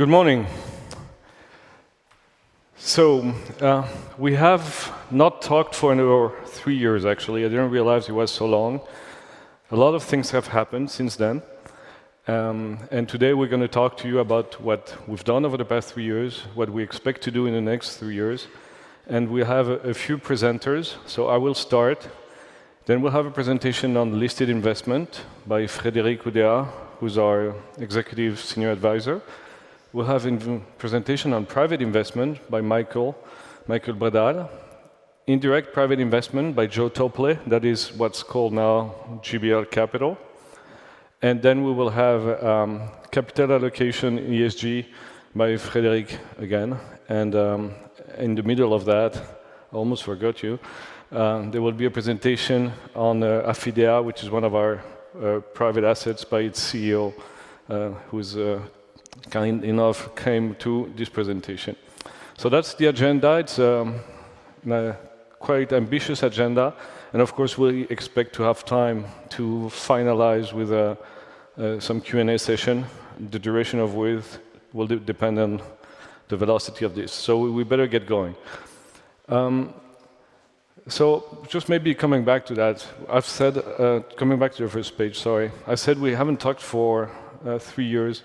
Good morning. We have not talked for another three years. Actually, I didn't realize it was so long. A lot of things have happened since then, and today we're going to talk to you about what we've done over the past three years, what we expect to do in the next three years. We have a few presenters. I will start then. We'll have a presentation on listed investment by Frédéric Oudéa, who's our executive senior advisor. We'll have a presentation on private investment by Michaël Bitard, indirect private investment by Joe Topley. That is what's called now GBL Capital. Then we will have capital allocation ESG by Frédéric again. In the middle of that, almost forgot you, there will be a presentation on Affidea, which is one of our private assets by its CEO who is kind enough came to this presentation. So that's the agenda. It's quite ambitious agenda and of course we expect to have time to finalize with some Q and A session. The duration of with will depend on the velocity of this. So we better get going. So just maybe coming back to that I've said coming back to your first page, sorry I said we haven't talked for three years.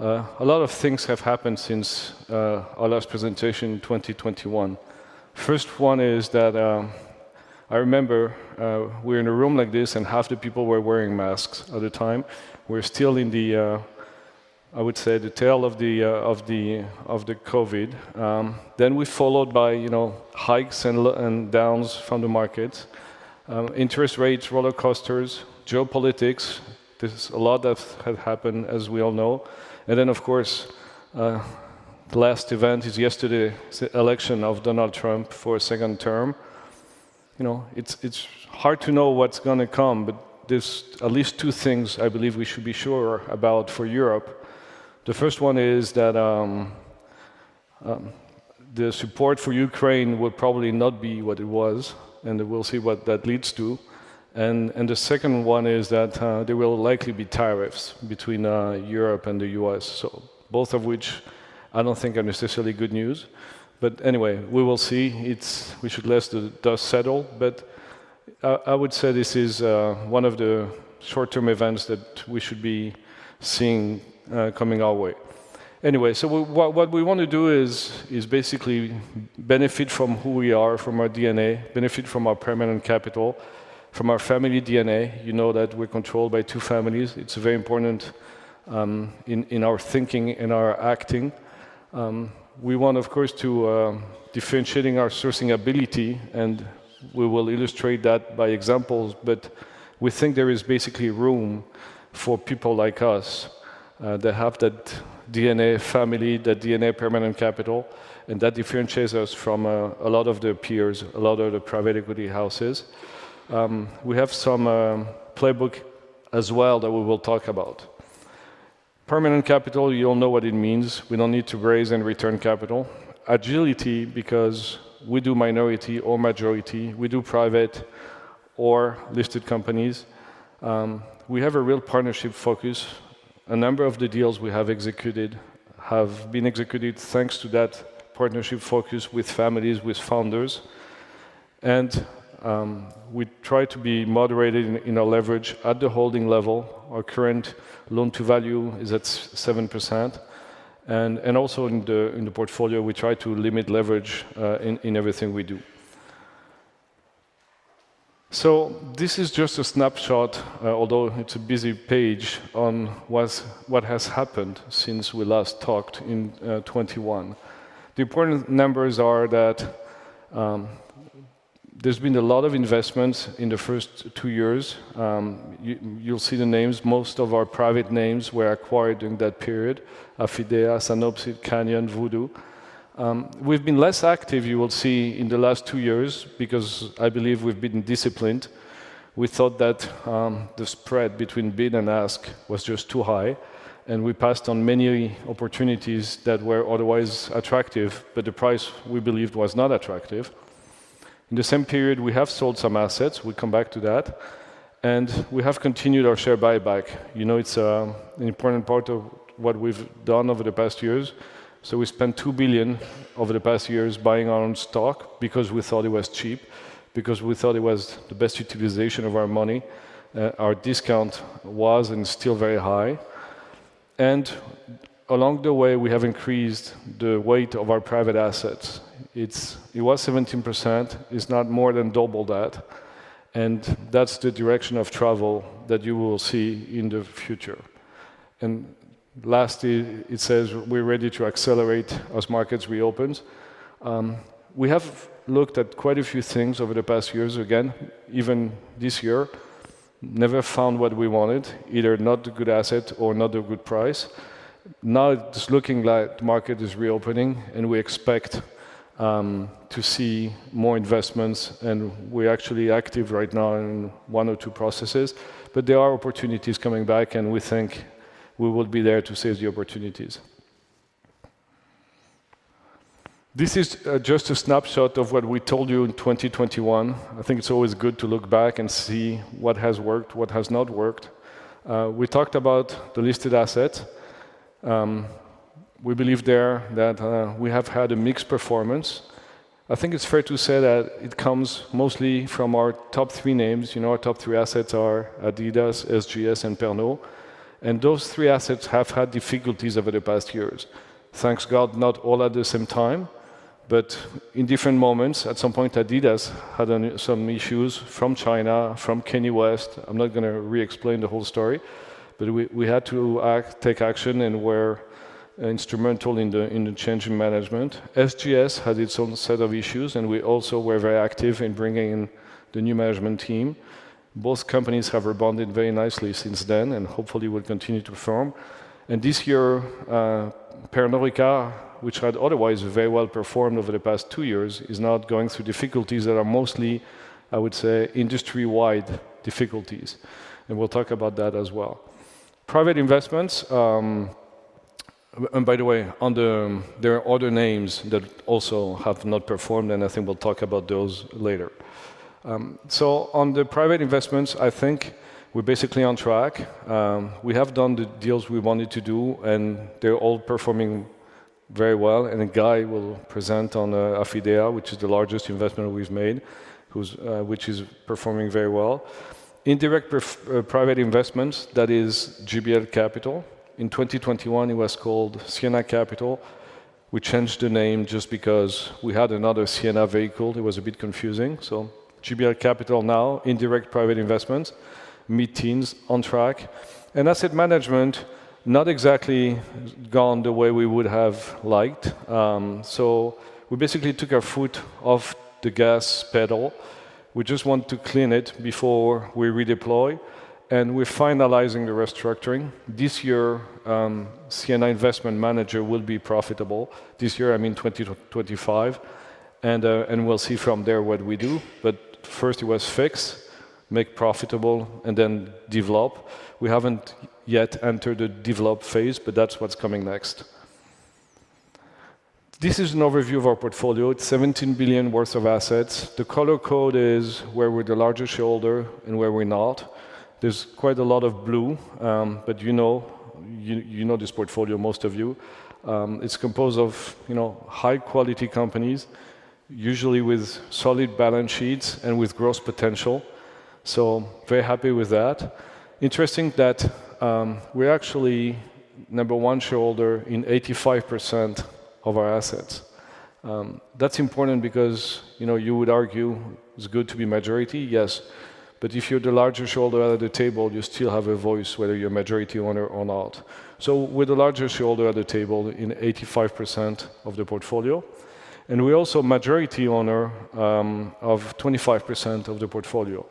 A lot of things have happened since our last presentation, 2021 first one is that I remember we're in a room like this and half the people were wearing masks at the time. We're still in the, I would say the tail of the COVID that then we followed by hikes and downs from the market, interest rates, roller coasters, geopolitics. There's a lot that have happened as we all know. And then of course the last event is yesterday, election of Donald Trump for a second term. It's hard to know what's going to come, but there's at least two things I believe we should be sure about for Europe. The first one is that the support for Ukraine will probably not be what it was and we'll see what that leads to. And the second one is that there will likely be tariffs between Europe and the U.S. So both of which I don't think are necessarily good news. But anyway we will see. We should let the dust settle. But I would say this is one of the short term events that we should be seeing coming our way anyway. So what we want to do is basically benefit from who we are, from our DNA, from our permanent capital, from our family DNA. You know that we're controlled by two families. It's very important in our thinking and our acting. We want of course to differentiate our sourcing ability. And we will illustrate that by examples. But we think there is basically room for people like us that have that DNA family, that DNA permanent capital. And that differentiates us from a lot of the peers, a lot of the private equity houses. We have some playbook as well that we will talk about permanent capital. You all know what it means. We don't need to raise and return capital. Agility because we do minority or majority. We do private or listed companies. We have a real partnership focus. A number of the deals we have executed have been executed thanks to that partnership focus with families, with founders. And we try to be moderated in our leverage at the holding level. Our current loan-to-value is at 7%, and also in the portfolio, we try to limit leverage in everything we do. So this is just a snapshot, although it's a busy page, on what has happened since we last talked in 2021. The important numbers are that there's been a lot of investments in the first two years. You'll see the names. Most of our private names were acquired during that period. Affidea, Canyon, Voodoo. We've been less active. You will see in the last two years because I believe we've been disciplined. We thought that the bid-ask spread was just too high. And we passed on many opportunities that were otherwise attractive, but the price we believed was not attractive. In the same period, we have sold some assets. We'll come back to that. We have continued our share buyback. You know, it's an important part of what we've done over the past years. So we spent 2 billion over the past years buying our own stock because we thought it was cheap, because we thought it was the best utilization of our money. Our discount was and still very high. And along the way we have increased the weight of our private assets. It was 17%. It's not more than double that. And that's the direction of travel that you will see in the future. And lastly, it says we're ready to accelerate as markets reopens. We have looked at quite a few things over the past years. Again even this year, never found what we wanted. Either not a good asset or not a good price. Now it's looking like the market is reopening and we expect to see more investments. We are actually active right now in one or two processes. But there are opportunities coming back and we think we will be there to seize the opportunities. This is just a snapshot of what we told you in 2021. I think it's always good to look back and see what has worked, what has not worked. We talked about the listed assets. We believe that there we have had a mixed performance. I think it's fair to say that it comes mostly from our top three names. You know our top three assets are Adidas, SGS, and Pernod. And those three assets have had difficulties over the past years. Thank God. Not all at the same time, but in different moments. At some point Adidas had some issues from China, from Kanye West. I'm not going to re-explain the whole story, but we had to take action, and we're instrumental in the change in management. SGS had its own set of issues, and we also were very active in bringing in the new management team. Both companies have rebounded very nicely since then, and hopefully will continue to perform. This year Pernod Ricard, which had otherwise very well performed over the past two years, is now going through difficulties that are mostly, I would say, industry-wide difficulties, and we'll talk about that as well. Private investments. By the way, there are other names that also have not performed, and I think we'll talk about those later. On the private investments, I think we're basically on track. We have done the deals we wanted to do, and they're all performing very well. Guy will present on Affidea, which is the largest investment we've made, which is performing very well. Indirect private investments. That is GBL Capital. In 2021 it was called Sienna Capital. We changed the name just because we had another Sienna vehicle. It was a bit confusing. So GBL Capital now indirect private investment mid teens on track and asset management not exactly gone the way we would have liked. So we basically took our foot off the gas pedal. We just want to clean it before we redeploy. We're finalizing the restructuring this year. Sienna Investment Managers will be profitable this year. I mean 2025 and we'll see from there what we do. But first it was fix, make profitable and then develop. We haven't yet entered the develop phase but that's what's coming next. This is an overview of our portfolio. It's 17 billion worth of assets. The color code is where we're the largest shareholder and where we're not. There's quite a lot of blue. But you know, you know this portfolio, most of you, it's composed of, you know, high quality companies usually with solid balance sheets and with growth potential. So very happy with that. Interesting that we're actually number one shareholder in 85% of our assets. That's important because, you know, you would argue it's good to be majority. Yes. But if you're the largest shareholder at the table, you still have a voice whether you're majority owner or not. So we're the largest shareholder at the table in 85% of the portfolio. And we also majority owner of 25% of the portfolio.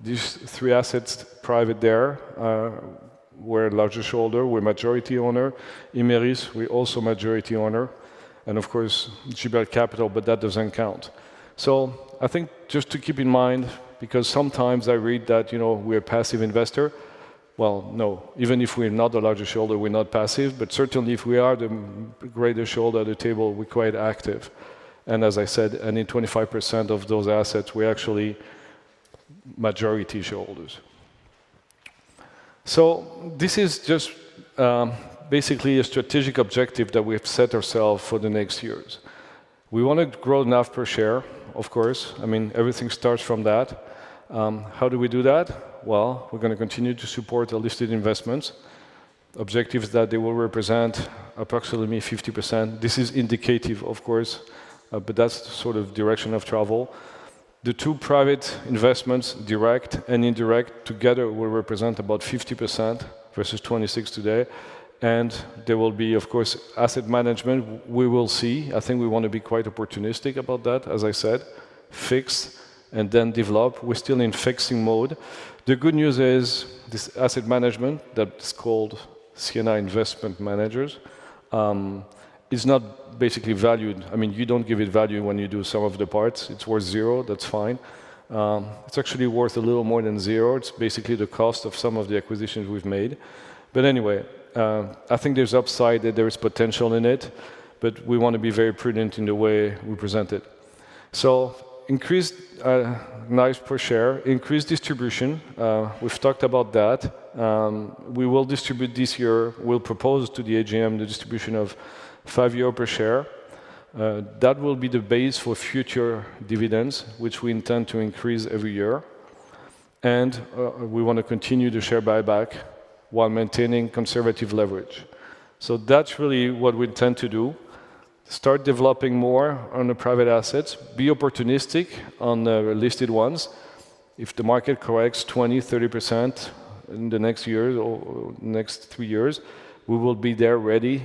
These three assets private there we're larger shareholder. We're majority owner. Imerys, we are also majority owners and of course GBL Capital, but that doesn't count. I think just to keep in mind, because sometimes I read that, you know, we're a passive investor. No, even if we're not the largest shareholder, we're not passive. Certainly if we are the largest shareholder at the table, we're quite active. As I said, in nearly 25% of those assets, we're actually majority shareholders. This is just basically a strategic objective that we have set ourselves for the next years. We want to grow NAV per share, of course. I mean everything starts from that. How do we do that? We're going to continue to support listed investments. Objectives that they will represent approximately 50%. This is indicative, of course, but that's sort of direction of travel. The two private investments, direct and indirect together will represent about 50% versus 26% today. There will be of course, asset management. We will see. I think we want to be quite opportunistic about that. As I said, fix and then develop. We're still in fixing mode. The good news is this asset management that's called Sienna Investment Managers, it's not basically valued. I mean, you don't give it value when you do sum-of-the-parts, it's worth zero. That's fine. It's actually worth a little more than zero. It's basically the cost of some of the acquisitions we've made. But anyway, I think there's upside that there is potential in it, but we want to be very prudent in the way we present it. Increased NAV per share, increased distribution, we've talked about that. We will distribute this year. We'll propose to the AGM the distribution of 5 euro per share. That will be the base for future dividends, which we intend to increase every year, and we want to continue share buybacks while maintaining conservative leverage. So that's really what we intend to do: start developing more on the private assets, be opportunistic on the listed ones. If the market corrects 20%-30% in the next year or next three years, we will be there ready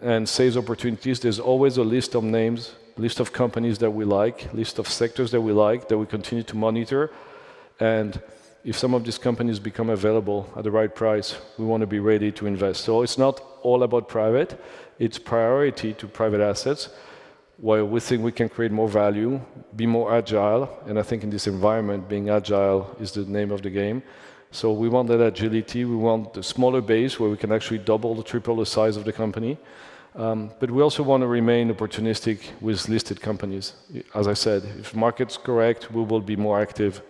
and seize opportunities. There's always a list of names, list of companies that we like, list of sectors that we like, that we continue to monitor. And if some of these companies become available at the right price, we want to be ready to invest. So it's not all about private; it's priority to private assets where we think we can create more value, be more agile. And I think in this environment being agile is the name of the game. So we want that agility, we want the smaller base where we can actually double or triple the size of the company. But we also want to remain opportunistic with listed companies. As I said, if market is correct, we will be more active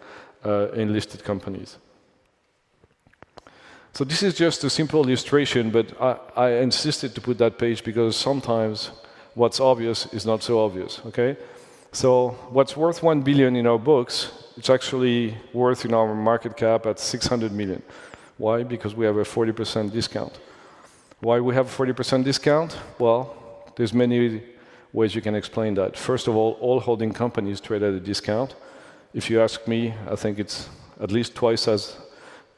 in listed companies. This is just a simple illustration, but I insisted to put that page because sometimes what's obvious is not so obvious. Okay, so what's worth 1 billion in our books? It's actually worth in our market cap at 600 million. Why? Because we have a 40% discount. Why we have 40% discount? Well, there's many ways you can explain that. First of all, all holding companies trade at a discount. If you ask me, I think it's at least twice as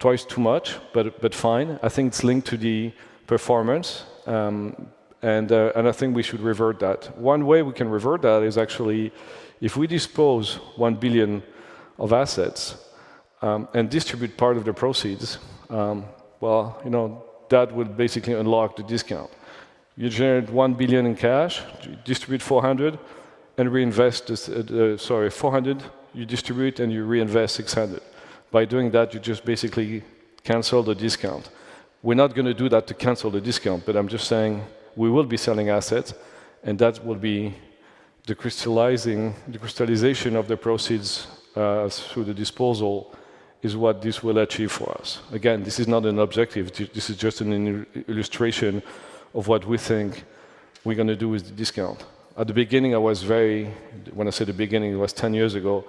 twice too much. But fine. I think it's linked to the performance and I think we should revert that. One way we can revert that is actually if we dispose 1 billion of assets and distribute part of the proceeds. Well, you know, that would basically unlock the discount. You generate 1 billion in cash, distribute 400 million and reinvest. Sorry, 400. You distribute and you reinvest 600 million. By doing that, you just basically cancel the discount. We're not going to do that to cancel the discount, but I'm just saying we will be selling assets and that will be the crystallizing. The crystallization of the proceeds through the disposal is what this will achieve for us. Again, this is not an objective. This is just an illustration of what we think we're going to do with discount. At the beginning, I was very, when I say the beginning, it was 10 years ago,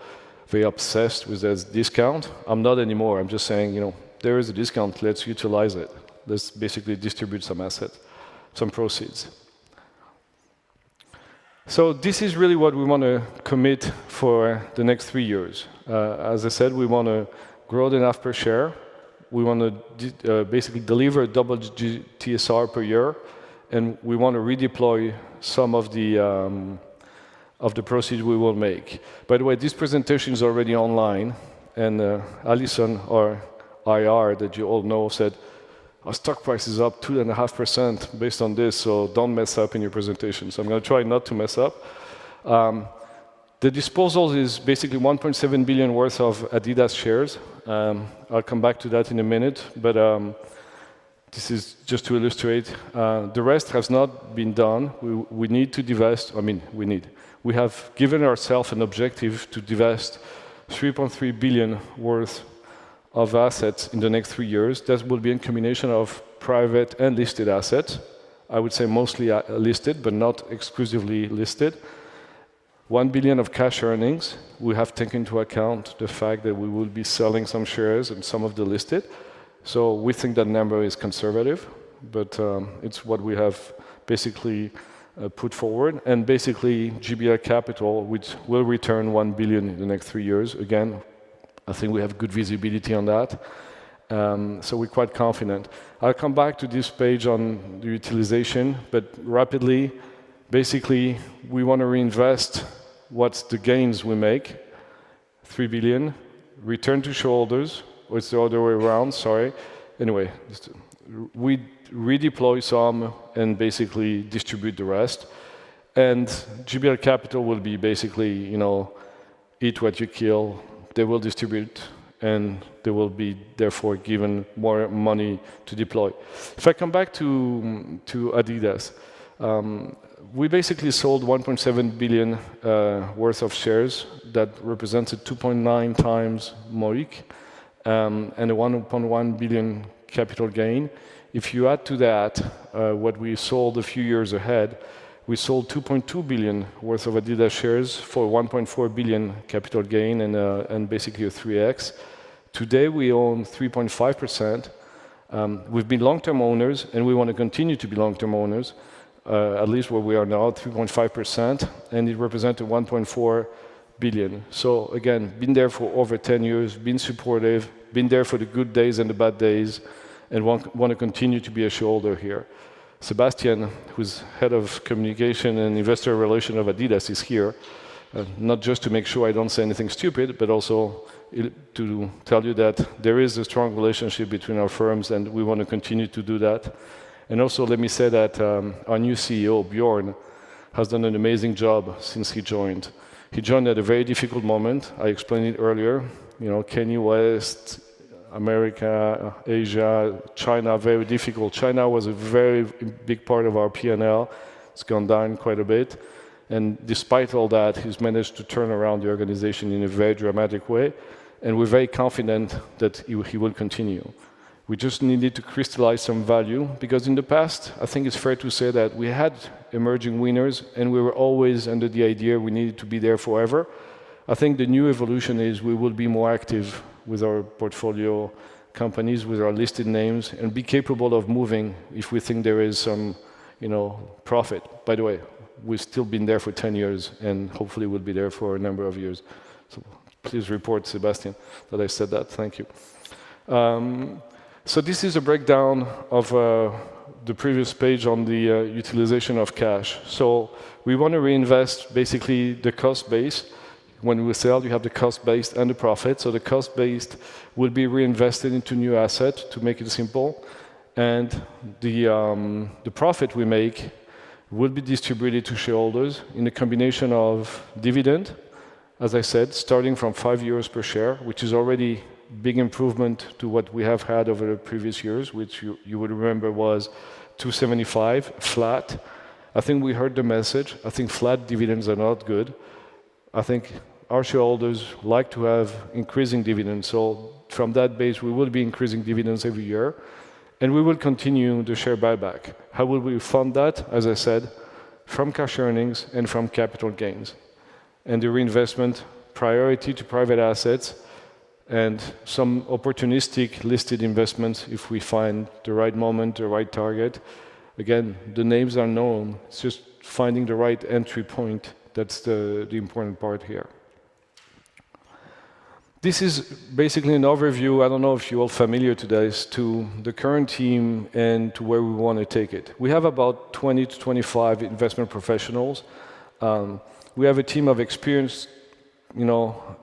very obsessed with this discount. I'm not anymore. I'm just saying, you know, there is a discount. Let's utilize it. Let's basically distribute some assets, some proceeds. So this is really what we want to commit for the next three years. As I said, we want to grow the NAV per share. We want to basically deliver double TSR per year, and we want to redeploy some of the proceeds we will make. By the way, this presentation is already online, and Alison, our IR that you all know, said our stock price is up 2.5% based on this. So don't mess up in your presentation. So I'm going to try not to mess up. The disposal is basically 1.7 billion worth of Adidas shares. I'll come back to that in a minute, but this is just to illustrate the rest has not been done. We need to divest. I mean, we need to. We have given ourselves an objective to divest 3.3 billion worth of assets in the next three years. That will be a combination of private and listed assets. I would say mostly listed, but not exclusively listed. 1 billion of cash earnings. We have taken into account the fact that we will be selling some shares and some of the listed. So we think that number is conservative, but it's what we have basically put forward, and basically GBL Capital, which will return 1 billion in the next three years. Again, I think we have good visibility on that. So we're quite confident. I'll come back to this page on utilization, but rapidly. Basically we want to reinvest. With the gains we make, 3 billion return to shareholders. It's the other way around. Sorry. Anyway, we redeploy some and basically distribute the rest. GBL Capital will be basically, you know, eat what you kill. They will distribute and they will be therefore given more money to deploy. If I come back to Adidas, we basically sold 1.7 billion worth of shares that represented 2.9x MOIC and a 1.1 billion capital gain. If you add to that what we sold a few years ago, we sold 2.2 billion worth of Adidas shares for 1.4 billion capital gain and basically a 3X. Today we own 3.5%. We've been long term owners and we want to continue to be long term owners. At least where we are now, 3.5% and it represented 1.4 billion. So again, been there for over 10 years, been supportive, been there for the good days and the bad days and want to continue to be a shareholder here. Sebastian, who's head of communication and investor relations of Adidas, is here not just to make sure I don't say anything stupid, but also to tell you that there is a strong relationship between our firms and we want to continue to do that. And also let me say that our new CEO Bjørn has done an amazing job since he joined. He joined at a very difficult moment. I explained it earlier, you know, Kanye West, America, Asia, China. Very difficult. China was a very big part of our P and L. It's gone down quite a bit. Despite all that, he's managed to turn around the organization in a very dramatic way and we're very confident that he will continue. We just needed to crystallize some value because in the past I think it's fair to say that we had emerging winners and we were always under the idea we needed to be there forever. I think the new evolution is we will be more active with our portfolio companies with our listed names and be capable of moving if we think there is some profit. By the way, we've still been there for 10 years and hopefully we'll be there for a number of years. Please report Sebastian, that I said that. Thank you. This is a breakdown of the previous page on the utilization of cash. We want to reinvest basically the cost base. When we sell, you have the cost base and the profit. So the cost base will be reinvested into new assets to make it simple, and the profit we make will be distributed to shareholders in a combination of dividend, as I said, starting from €5 per share, which is already a big improvement to what we have had over the previous years, which you would remember was €2.75 flat. I think we heard the message. I think flat dividends are not good. I think our shareholders like to have increasing dividends. So from that base we will be increasing dividends every year and we will continue the share buyback. How will we fund that? As I said, from cash earnings and from capital gains and the reinvestment priority to private assets and some opportunistic listed investments. If we find the right moment, the right target, again, the names are known. It's just finding the right entry point that's the important part here. This is basically an overview. I don't know if you're familiar to this, to the current team and to where we want to take it. We have about 20-25 investment professionals. We have a team of experienced, you know,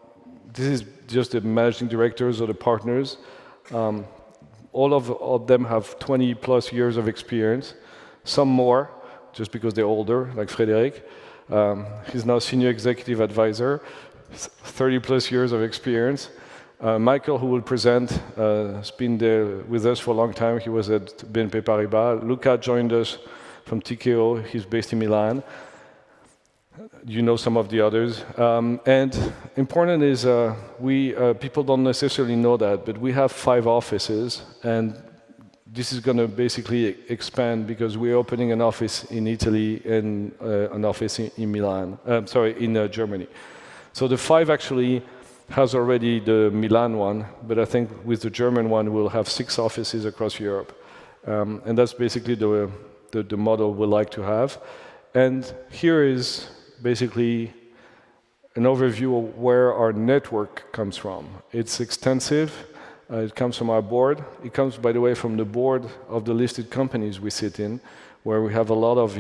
this is just the managing directors or the partners. All of them have 20+ years of experience. Some more just because they're older, like Frédéric, he's now Senior Executive Advisor. 30+ years of experience. Michaël, who will present, has been with us for a long time. He was at BNP Paribas. Luca joined us from Tikehau. He's based in Milan, you know, some of the others. Important is people don't necessarily know that, but we have five offices and this is going to basically expand because we're opening an office in Italy and an office in Milan, sorry in Germany. The five actually has already the Milan one, but I think with the German one we'll have six offices across Europe. That's basically the model we like to have. Here is basically an overview of where our network comes from. It's extensive. It comes from our board. It comes by the way from the board of the listed companies we sit in, where we have a lot of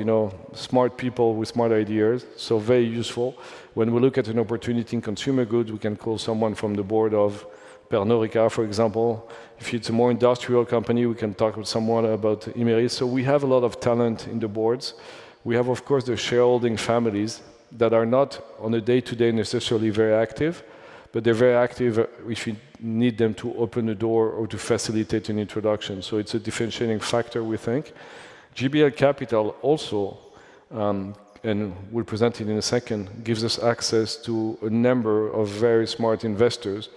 smart people with smart ideas. Very useful when we look at an opportunity in consumer goods. We can call someone from the board of Pernod Ricard, for example. If it's a more industrial company, we can talk with someone about Imerys. So we have a lot of talent in the boards. We have of course, the shareholding families that are not on a day to day necessarily very active, but they're very active if you need them to open the door or to facilitate an introduction. So it's a differentiating factor, we think GBL Capital also, and we'll present it in a second, gives us access to a number of very smart investors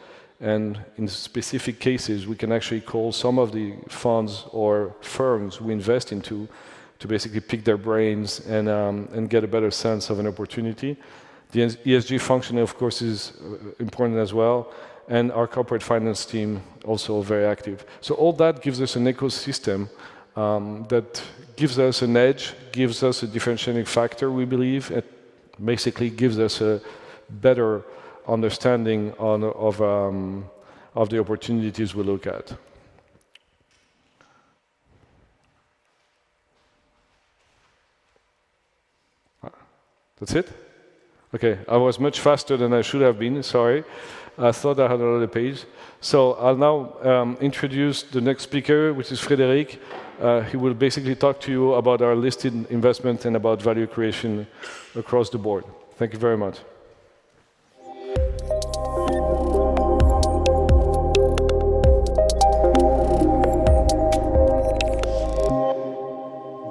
and in specific cases we can actually call some of the funds or firms we invest into to basically pick their brains and get a better sense of an opportunity. The ESG function of course is important as well. And our corporate finance team also very active. So all that gives us an ecosystem that gives us an edge, gives us a differentiating factor we believe basically gives us a better understanding of the opportunities we look at. That's it. Okay. I was much faster than I should have been. Sorry, I thought I had a lot of page. So I'll now introduce the next speaker, which is Frédéric. He will basically talk to you about our listed investment and about value creation across the board. Thank you very much.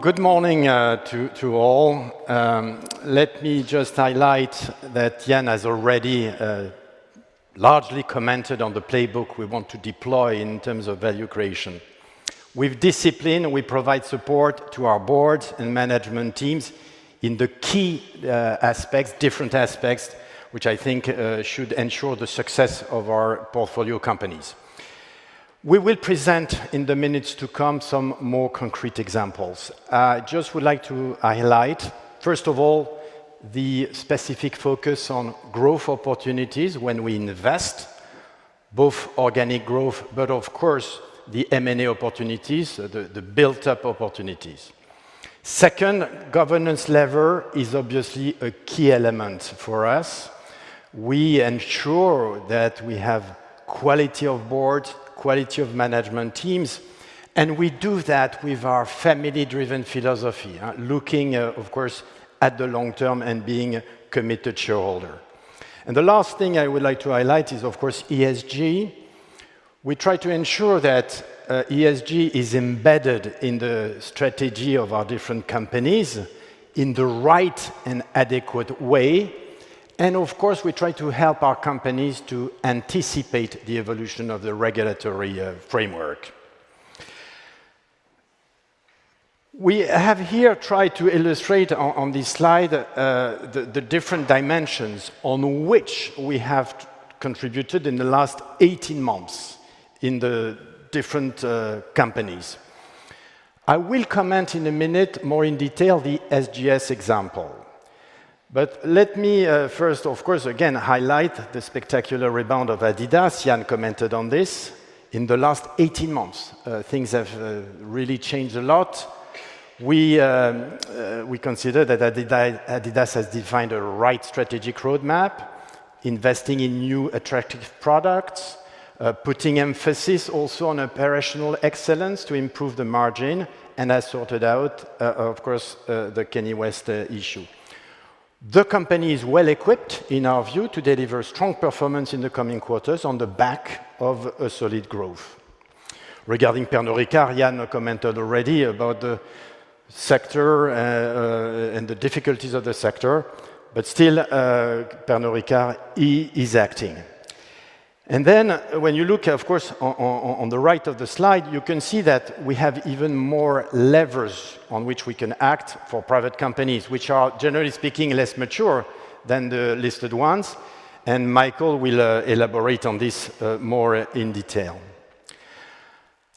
Good morning to all. Let me just highlight that Ian has already largely commented on the playbook we want to deploy in terms of value creation. With discipline, we provide support to our boards and management teams in the key aspects, different aspects which I think should ensure the success of our portfolio companies. We will present in the minutes to come some more concrete examples. I just would like to highlight first of all the specific focus on growth opportunities when we invest. Both organic growth, but of course the M&A opportunities, the built up opportunities. Second, governance lever is obviously a key element for us. We ensure that we have quality of board, quality of management teams and we do that with our family driven philosophy, looking of course at the long term and being committed shareholder. The last thing I would like to highlight is of course ESG. We try to ensure that ESG is embedded in the strategy of our different, in the right and adequate way and of course we try to help our companies to anticipate the evolution of the regulatory framework. We have here tried to illustrate on this slide the different dimensions on which we have contributed in the last 18 months in the different companies. I will comment in a minute more in detail the SGS example, but let me first of course again highlight the spectacular rebound of Adidas. Ian commented on this in the last 18 months things have really changed a lot. We consider that Adidas has defined a right strategic roadmap, investing in new attractive products, putting emphasis also on operational excellence to improve the margin and has sorted out of course the Kanye West issue. The company is well equipped in our view to deliver strong performance in the coming quarters on the back of a solid growth. Regarding Pernod Ricard, Ian commented already about the sector and the difficulties of the sector, but still Pernod Ricard is acting. And then when you look of course on the right of the slide you can see that we have even more levers on which we can act for private companies which are generally speaking less mature than the listed ones. Michaël will elaborate on this more in detail.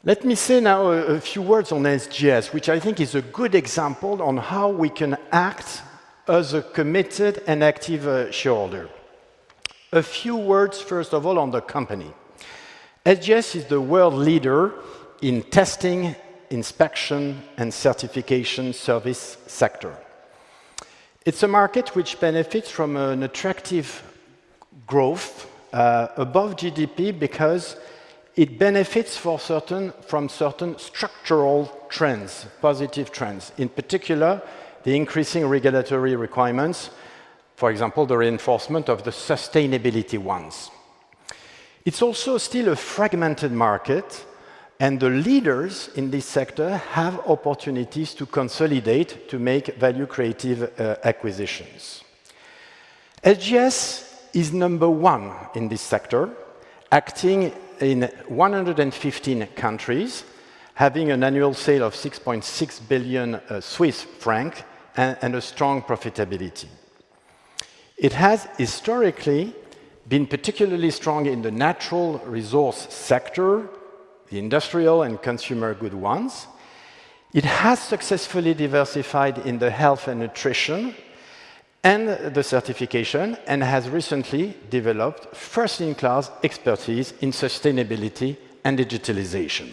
Let me say now a few words on SGS which I think is a good example on how we can act as a committed and active shareholder. A few words first of all on the company. SGS is the world leader in testing, inspection and certification service sector. It's a market which benefits from an attractive growth above GDP because it benefits from certain structural trends, positive trends, in particular the increasing regulatory requirements, for example the reinforcement of the sustainability ones. It's also still a fragmented market and the leaders in this sector have opportunities to consolidate to make value-creating acquisitions. SGS is number one in this sector, acting in 115 countries, having an annual sale of 6.6 billion Swiss francs and a strong profitability. It has historically been particularly strong in the natural resource sector, the industrial and consumer goods ones. It has successfully diversified in the health and nutrition and the certification and has recently developed first-in-class expertise in sustainability and digitalization.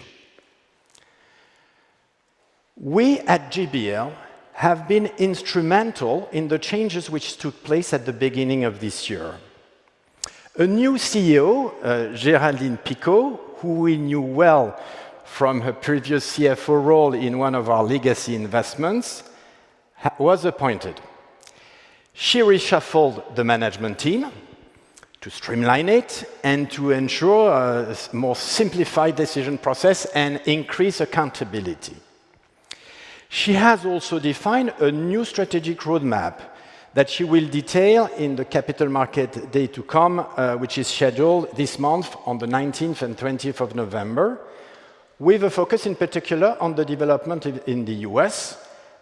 We at GBL have been instrumental in the changes which took place at the beginning of this year. A new CEO, Géraldine Picaud, who we knew well from her previous CFO role in one of our legacy investments, was appointed. She reshuffled the management team to streamline it and to ensure more simplified decision process and increase accountability. She has also defined a new strategic roadmap that she will detail in the Capital Market Day to come which is scheduled this month on the 19th and 20th of November with a focus in particular on the development in the U.S.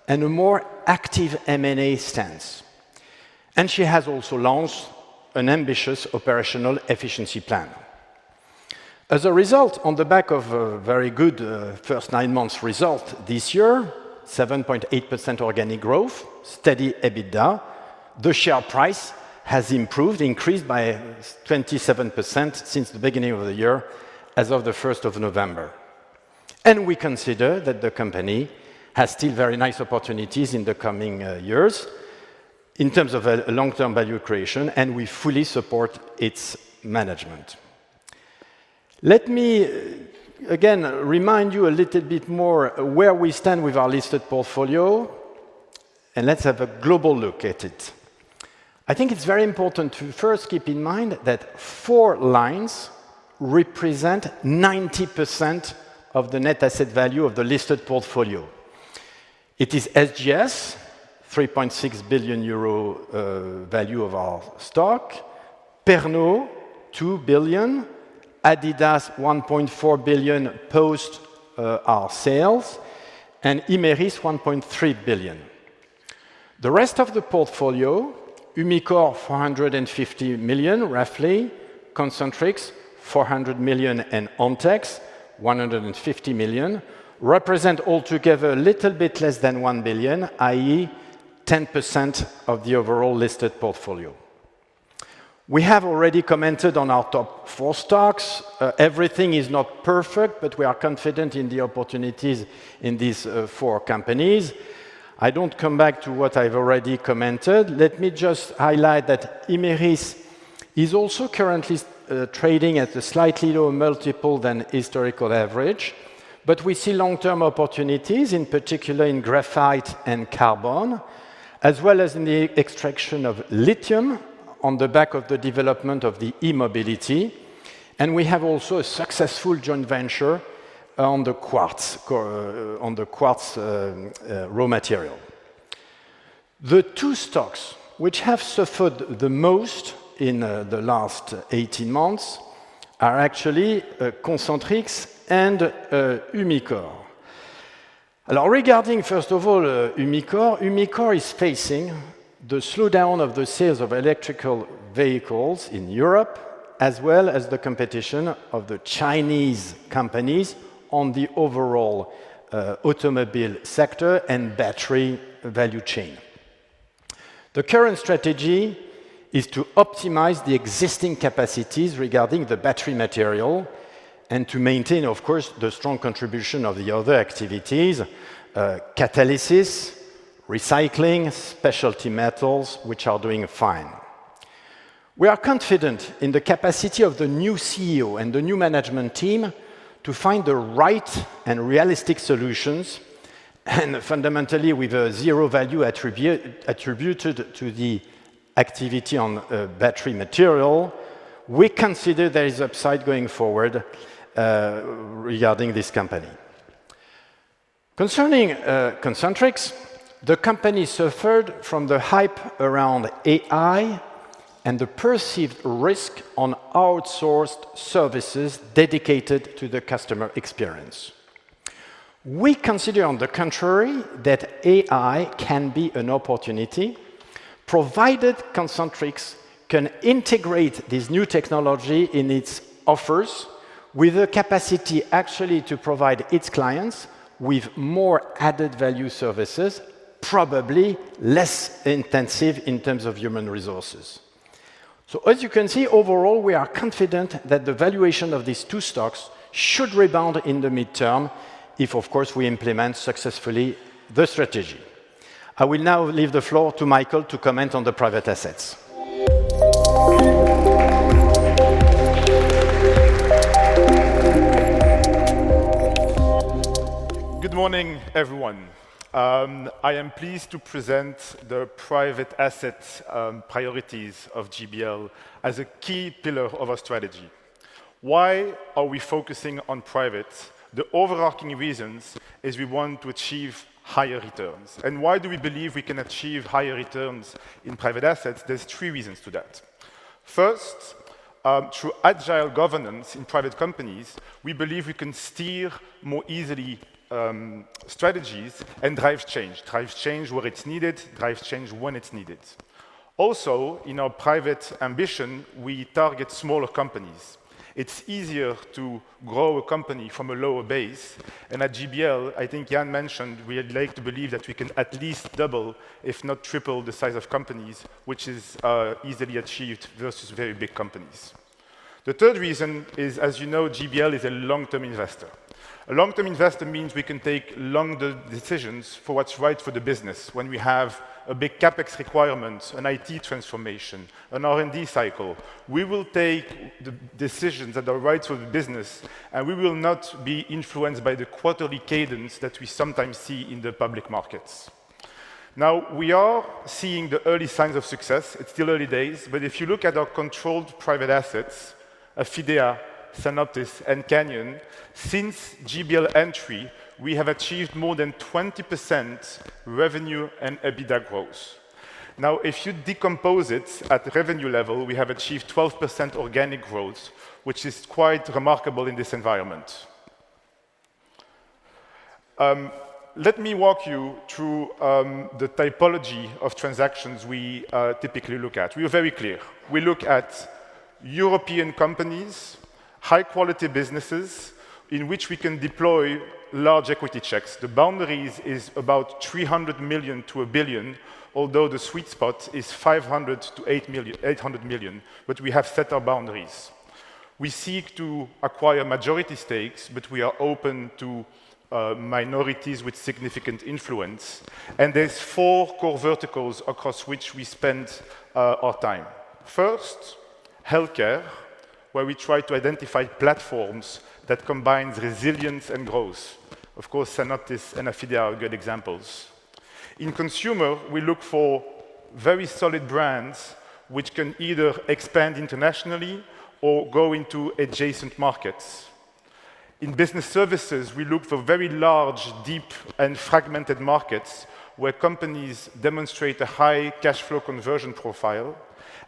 and a more active M&A stance. She has also launched an ambitious operational efficiency plan as a result. On the back of very good first nine months result this year, 7.8% organic growth, steady EBITDA. The share price has improved increased by 27% since the beginning of the year as of the 1st of November, and we consider that the company has still very nice opportunities in the coming years in terms of long-term value creation, and we fully support its management. Let me again remind you a little bit more where we stand with our listed portfolio, and let's have a global look at it. I think it's very important to first keep in mind that four lines represent 90% of the net asset value of the listed portfolio. It is SGS, 3.6 billion euro value of our stock, Pernod, 2 billion, Adidas, 1.4 billion post our sales, and Imerys, 1.3 billion. The rest of the portfolio, Umicore, 450 million roughly, Concentrix, 400 million, and Ontex, 150 million, represent altogether a little bit less than 1 billion. That is 10% of the overall listed portfolio. We have already commented on our top four stocks. Everything is not perfect, but we are confident in the opportunities in these four companies. I don't come back to what I've already commented. Let me just highlight that Imerys is also currently trading at a slightly lower multiple than historical average. But we see long-term opportunities in particular in graphite and carbon as well as in the extraction of lithium on the back of the development of the e-mobility. And we have also a successful joint venture on the quartz raw material. The two stocks which have suffered the most in the last 18 months are actually Concentrix and Umicore. Regarding first of all, Umicore. Umicore is facing the slowdown of the sales of electric vehicles in Europe as well as the competition of the Chinese companies on the overall automobile sector and battery value chain. The current strategy is to optimize the existing capacities regarding the battery material and to maintain of course the strong contribution of the other activities. Catalysis, recycling, specialty metals, which are doing fine. We are confident in the capacity of the new CEO and the new management team to find the right and realistic solutions, and fundamentally with a zero value attributed to the activity on battery material. We consider there is upside going forward regarding this company. Concerning Concentrix, the company suffered from the hype around AI and the perceived risk on outsourced services dedicated to the customer experience. We consider on the contrary, that AI can be an opportunity provided Concentrix can integrate this new technology in its offers with the capacity actually to provide its clients with more added value services, probably less intensive in terms of human resources. So as you can see, overall we are confident that the valuation of these two stocks should rebound in the midterm if of course we implement successfully the strategy. I will now leave the floor to Michael to comment on the private assets. Good morning everyone. I am pleased to present the private assets priorities of GBL as a key pillar of our strategy. Why are we focusing on private the overarching reasons is we want to achieve higher returns. And why do we believe we can achieve higher returns in private assets? There's three reasons to that. First, through agile governance in private companies, we believe we can steer more easily strategies and drives change. Drives change where it's needed, drives change when it's needed. Also in our private ambition we target smaller companies. It's easier to grow a company from a lower base. And at GBL, I think Ian mentioned, we like to believe that we can at least double if not triple the size of companies which is easily achieved versus very big companies. The third reason is, as you know, GBL is a long term investor. A long term investor means we can take longer decisions for what's right for the business. When we have a big CapEx requirement, an IT transformation, an R&D cycle, we will take the decisions that are right for the business and we will not be influenced by the quarterly cadence that we sometimes see in the public markets. Now we are seeing the early signs of success. It's still early days, but if you look at our controlled private assets, Affidea, Sanoptis and Canyon, since GBL entry we have achieved more than 20% revenue and EBITDA growth. Now if you decompose it at revenue level, we have achieved 12% organic growth, which is quite remarkable in this environment. Let me walk you through the typology of transactions we typically look at. We are very clear. We look at European companies, high quality businesses in which we can deploy large equity checks. The boundaries is about 300 million-1 billion, although the sweet spot is 500 million-800 million. But we have set our boundaries. We seek to acquire majority stakes, but we are open to minorities with significant influence. And there's four core verticals across which we spend our time. First, Healthcare, where we try to identify platforms that combine resilience and growth. Of course Sanoptis and Affidea are good examples. In consumer we look for very solid brands which can either expand internationally or go into adjacent markets. In business services we look for very large, deep and fragmented markets where companies demonstrate a high cash flow conversion profile.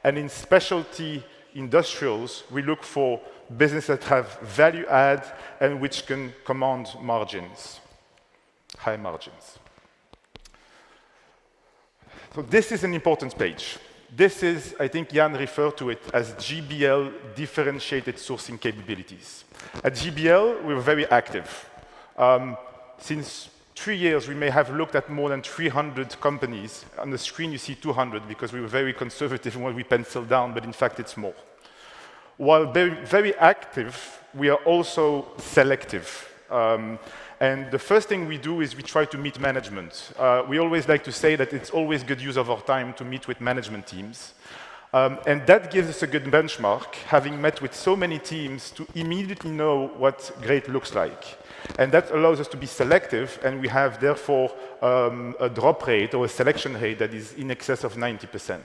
And in specialty industrials we look for business that have value add and which can command margins, high margins. This is an important page. This is, I think Ian referred to it as GBL Differentiated sourcing capabilities. At GBL we were very active since three years. We may have looked at more than 300 companies. On the screen you see 200 because we were very conservative in what we penciled down. But in fact it's more while very active. We are also selective. And the first thing we do is we try to meet management. We always like to say that it's always good use of our time to meet with management teams and that gives us a good benchmark. Having met with so many teams to immediately know what great looks like. And that allows us to be selective. And we have therefore a drop rate or a selection rate that is in excess of 90%.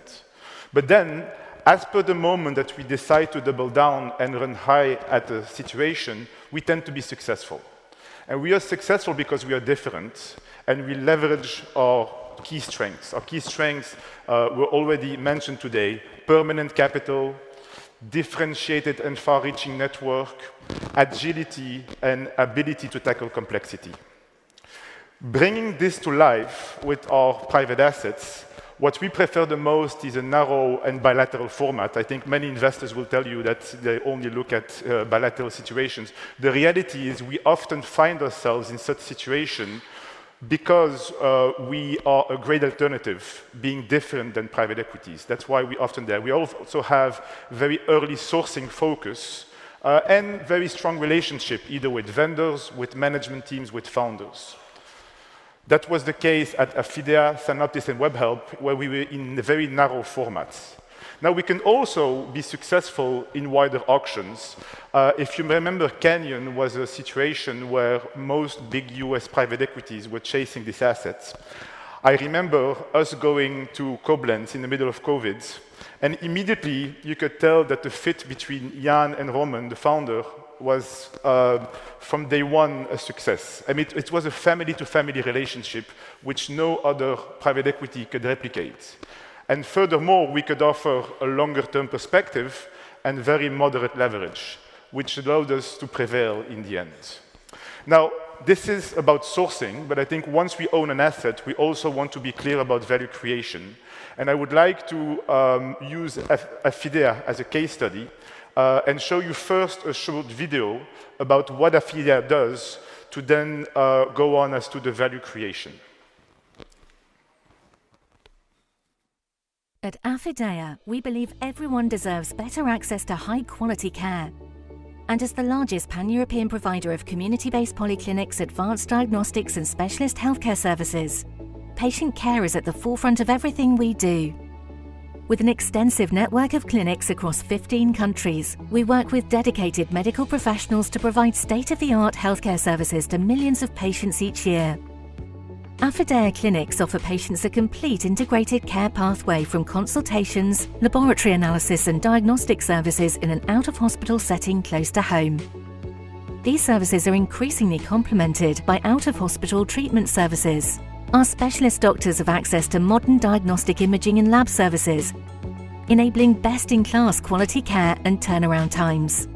But then at the moment that we decide to double down and run with the situation, we tend to be successful. And we are successful because we are different and we leverage our key strengths. Our key strengths were already mentioned today. Permanent capital, differentiated and far-reaching network, agility and ability to tackle complexity, bringing this to life with our private assets. What we prefer the most is a narrow and bilateral format. I think many investors will tell you that they only look at bilateral situations. The reality is we often find ourselves in such situations because we are a great alternative being different than private equities. That's why we often there. We also have very early sourcing focus and very strong relationship either with vendors, with management teams, with founders. That was the case at Affidea, Sanoptis, and Webhelp where we were in very narrow formats. Now we can also be successful in wider auctions. If you remember, Canyon was a situation where most big US private equities were chasing these assets. I remember us going to Koblenz in the middle of COVID and immediately you could tell that the fit between Ian and Roman, the founder, was from day one a success. It was a family to family relationship which no other private equity could replicate. And furthermore we could offer a longer term perspective and very moderate leverage which allowed us to prevail in the end. Now this is about sourcing. But I think once we own an asset we also want to be clear about value creation. I would like to use Affidea as a case study and show you first a short video about what Affidea does to then go on as to the value creation. At Affidea we believe everyone deserves better access to high quality care. As the largest pan-European provider of community-based polyclinics, advanced diagnostics and specialist healthcare services, patient care is at the forefront of everything we do. With an extensive network of clinics across 15 countries, we work with dedicated medical professionals to provide state-of-the-art healthcare services to millions of patients each year. Affidea clinics offer patients a complete integrated care pathway from consultations, laboratory analysis and diagnostic services in an out-of-hospital setting close to home. These services are increasingly complemented by out-of-hospital treatment services. Our specialist doctors have access to modern diagnostic imaging and lab services enabling best-in-class quality care and turnaround times.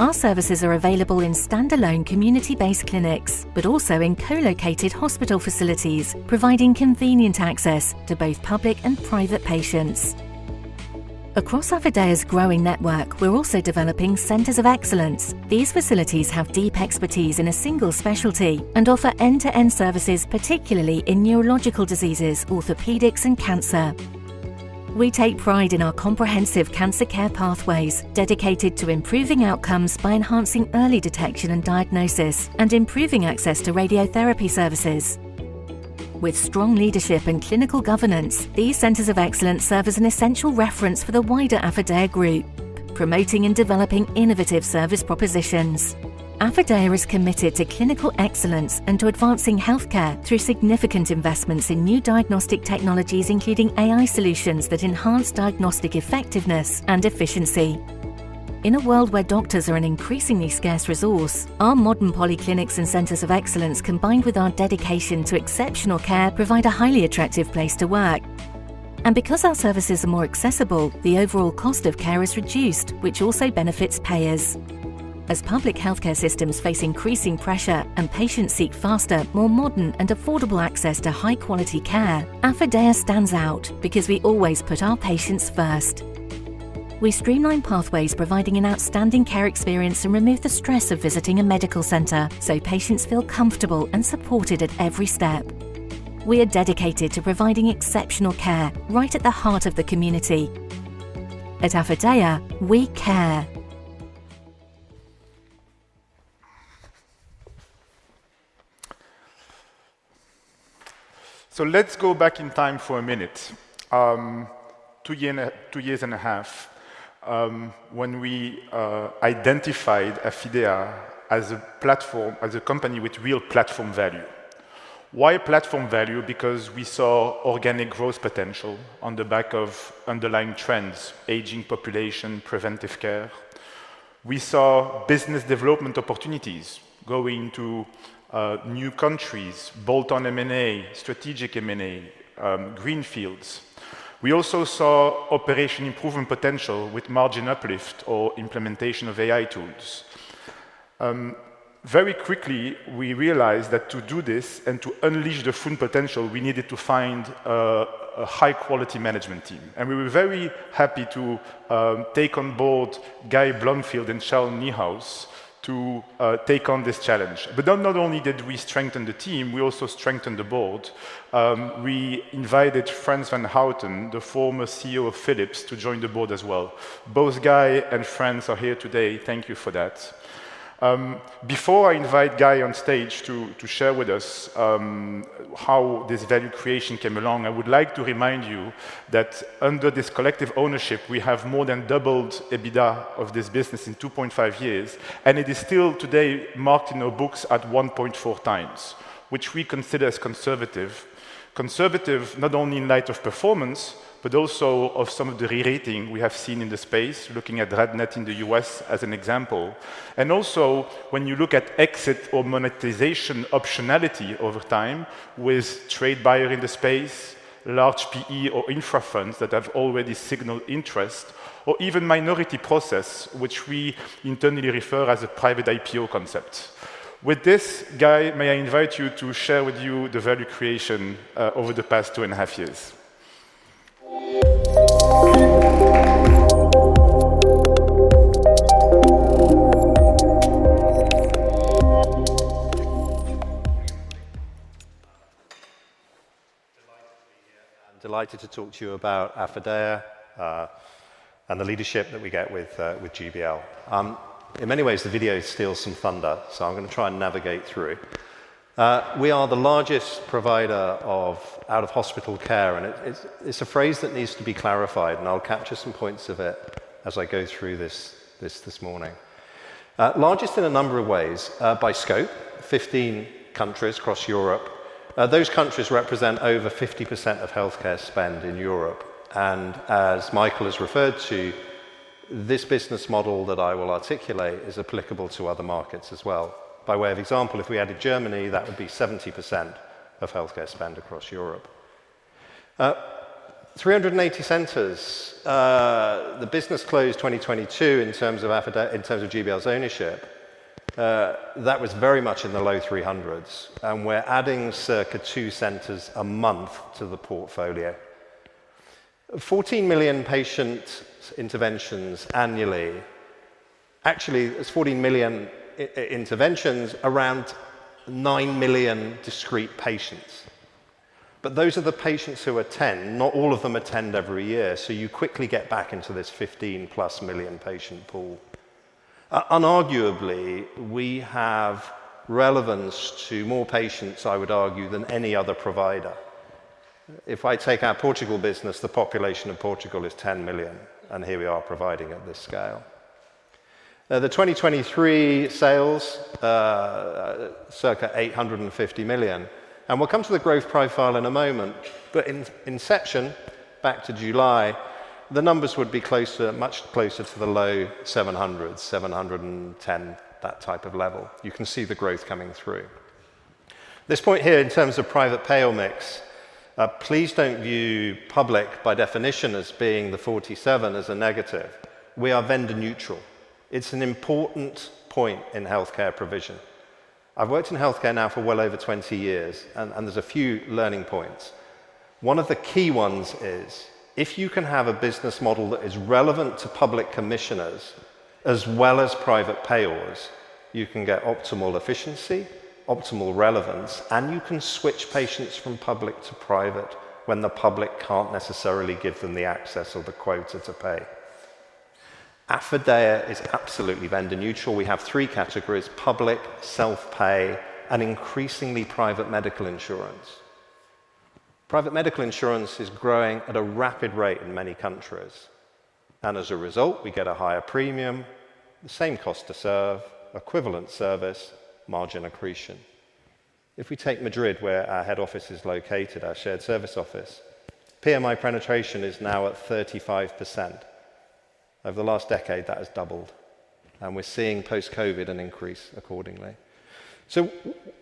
Our services are available in stand-alone community-based clinics but also in co-located hospital facilities providing convenient access to both public and private patients. Across Affidea's growing network we're also developing Centers of Excellence. These facilities have deep expertise in a single specialty and offer end-to-end services particularly in neurological diseases, orthopedics and cancer. We take pride in our comprehensive cancer care pathways dedicated to improving outcomes by enhancing early detection and diagnosis and improving access to radiotherapy services. With strong leadership and clinical governance, these Centers of Excellence serve as an essential reference for the wider Affidea group, promoting and developing innovative service propositions. Affidea is committed to clinical excellence and to advancing healthcare through significant investments in new diagnostic technologies, including AI solutions that enhance diagnostic effectiveness and efficiency. In a world where doctors are an increasingly scarce resource, our modern polyclinics and Centers of Excellence combined with our dedication to exceptional care provide a highly attractive place to work, and because our services are more accessible, the overall cost of care is reduced which also benefits payers. As public healthcare systems face increasing pressure and patients seek faster, more modern and affordable access to high quality care, Affidea stands out because we always put our patients first. We streamline pathways providing an outstanding care experience and remove the stress of visiting a medical center so patients feel comfortable and supported at every step. We are dedicated to providing exceptional care right at the heart of the community. At Affidea we care. So let's go back in time for a minute, two years and a half when we identified Affidea as a platform, as a company with real platform value. Why platform value? Because we saw organic growth potential on the back of underlying trends. Aging population, preventive care. We saw business development opportunities going to new countries, bolt-on M&A, strategic M&A, greenfields. We also saw operational improvement potential with margin uplift or implementation of AI tools. Very quickly we realized that to do this and to unleash the full potential we needed to find a high quality management team. And we were very happy to take on board Guy Blomfield and Charles Niehaus to take on this challenge. But not only did we strengthen the team, we also strengthened the board. We invited Frans van Houten, the former CEO of Philips, to join the board as well. Both Guy and Frans are here today. Thank you for that. Before I invite Guy on stage to share with us how this value creation came along, I would like to remind you that under this collective ownership we have more than doubled EBITDA of this business in 2.5 years and it is still today marked in our books at 1.4x which we consider as conservative not only in light of performance but also of some of the P/E rating we have seen in the space. Looking at RadNet in the US as an example and also when you look at exit or monetization optionality over time with trade buyer in the space, large PE or infra funds that have already signaled interest or even minority process which we internally refer as a private IPO concept with this Guy, may I invite you to share with you the value creation over the past two and a half years. Delighted to talk to you about Affidea and the leadership that we get with GBL. In many ways the video steals some thunder so I'm going to try and navigate through. We are the largest provider of out of hospital care and it's a phrase that needs to be clarified and I'll capture some points of it as I go through this morning, largest in a number of ways by scope, 15 countries across Europe. Those countries represent over 50% of healthcare spend in Europe and as Michaël has referred to this business model that I will articulate is applicable to other markets as well. By way of example, if we added Germany, that would be 70% of healthcare spend across Europe. 380 centers. The business closed 2022. In terms of GBL's ownership that was very much in the low 300s. We're adding circa two centers a month to the portfolio. 14 million patient interventions annually. Actually there's 14 million interventions around 9 million discrete patients. Those are the patients who attend. Not all of them attend every year. You quickly get back into this 15+ million patient pool. Unarguably we have relevance to more patients I would argue than any other provider. If I take our Portugal business. The population of Portugal is 10 million and here we are providing at this scale. The 2023 sales, circa 850 million. We'll come to the growth profile in a moment. In inception back to July, the numbers would be closer, much closer to the low 700 million, 710 million, that type of level, you can see the growth coming through this point here. In terms of private payer mix, please don't view public by definition as being the 47 as a negative. We are vendor neutral. It's an important point in healthcare provision. I've worked in healthcare now for well over 20 years and there's a few learning points. One of the key ones is if you can have a business model that is relevant to public commissioners as well as private payers, you can get optimal efficiency, optimal relevance and you can switch patients from public to private when the public can't necessarily give them the access or the ability to pay. Affidea is absolutely vendor neutral. We have three categories, public, self-pay and increasingly private medical insurance. Private medical insurance is growing at a rapid rate in many countries and as a result we get a higher premium, the same cost to serve equivalent service margin accretion. If we take Madrid, where our head office is located, our shared service office, PMI penetration is now at 35%. Over the last decade that has doubled and we're seeing post-COVID an increase accordingly. So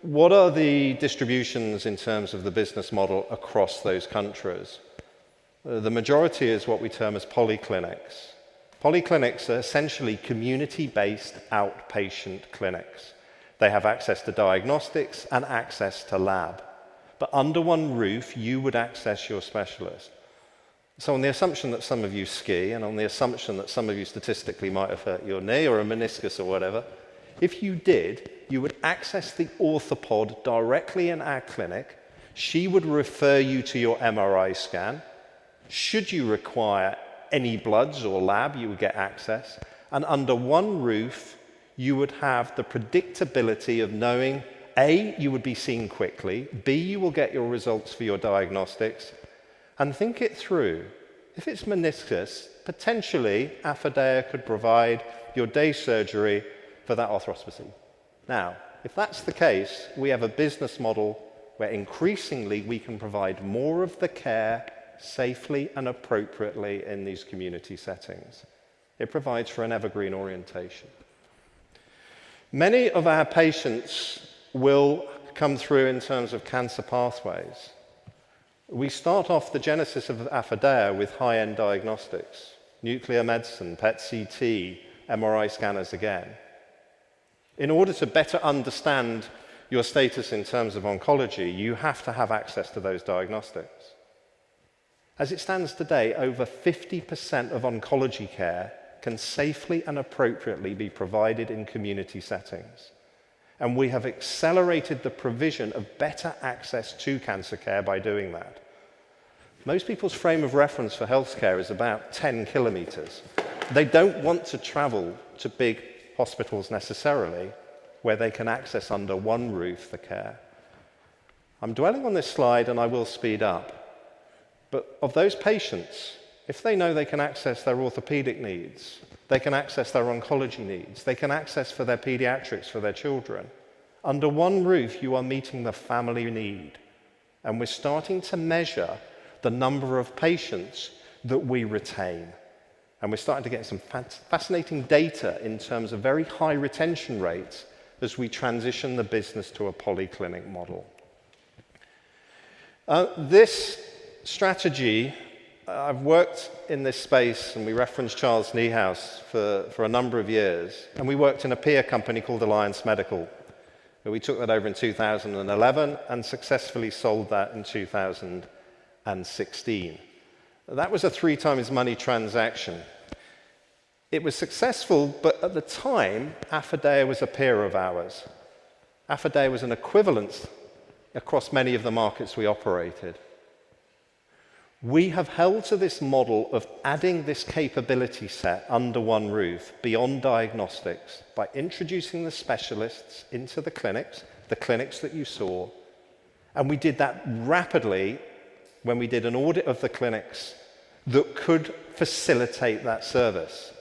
what are the distributions in terms of the business model across those countries? The majority is what we term as polyclinics. Polyclinics are essentially community based outpatient clinics. They have access to diagnostics and access to lab, but under one roof you would access your specialist. So on the assumption that some of you ski and on the assumption that some of you statistically might have hurt your knee or a meniscus or whatever, if you did, you would access the orthopod directly in our clinic. She would refer you to your MRI scan. Should you require any bloods or lab, you would get access and under one roof you would have the predictability of knowing A, you would be seen quickly, B, you will get your results for your diagnostics and think it through. If it's meniscus, potentially Affidea could provide your day surgery for that arthroscopy. Now if that's the case, we have a business model where increasingly we can provide more of the care safely and appropriately in these community settings. It provides for an evergreen orientation many of our patients will come through. In terms of cancer pathways, we start off the genesis of Affidea with high-end diagnostics, nuclear medicine, PET CT, MRI scanners. Again, in order to better understand your status in terms of oncology, you have to have access to those diagnostics. As it stands today, over 50% of oncology care can safely and appropriately be provided in community settings, and we have accelerated the provision of better access to cancer care by doing that. Most people's frame of reference for health care is about 10 km. They don't want to travel to big hospitals necessarily where they can access under one roof the care. I'm dwelling on this slide and I will speed up, but of those patients, if they know they can access their orthopedic needs, they can access their oncology needs, they can access for their pediatrics, for their children under one roof. You are meeting the family need, and we're starting to measure the number of patients that we retain and we're starting to get some fascinating data in terms of very high retention rates as we transition the business to a polyclinic model. This strategy, I've worked in this space and we referenced Charles Niehaus for a number of years and we worked in a peer company called Alliance Medical. We took that over in 2011 and successfully sold that in 2016. That was a three times money transaction. It was successful, but at the time Affidea was a peer of ours. Affidea was an equivalent across many of the markets we operated. We have held to this model of adding this capability set under one roof beyond diagnostics, by introducing the specialists into the clinics, the clinics that you saw, and we did that rapidly when we did an audit of the clinics that could facilitate that service.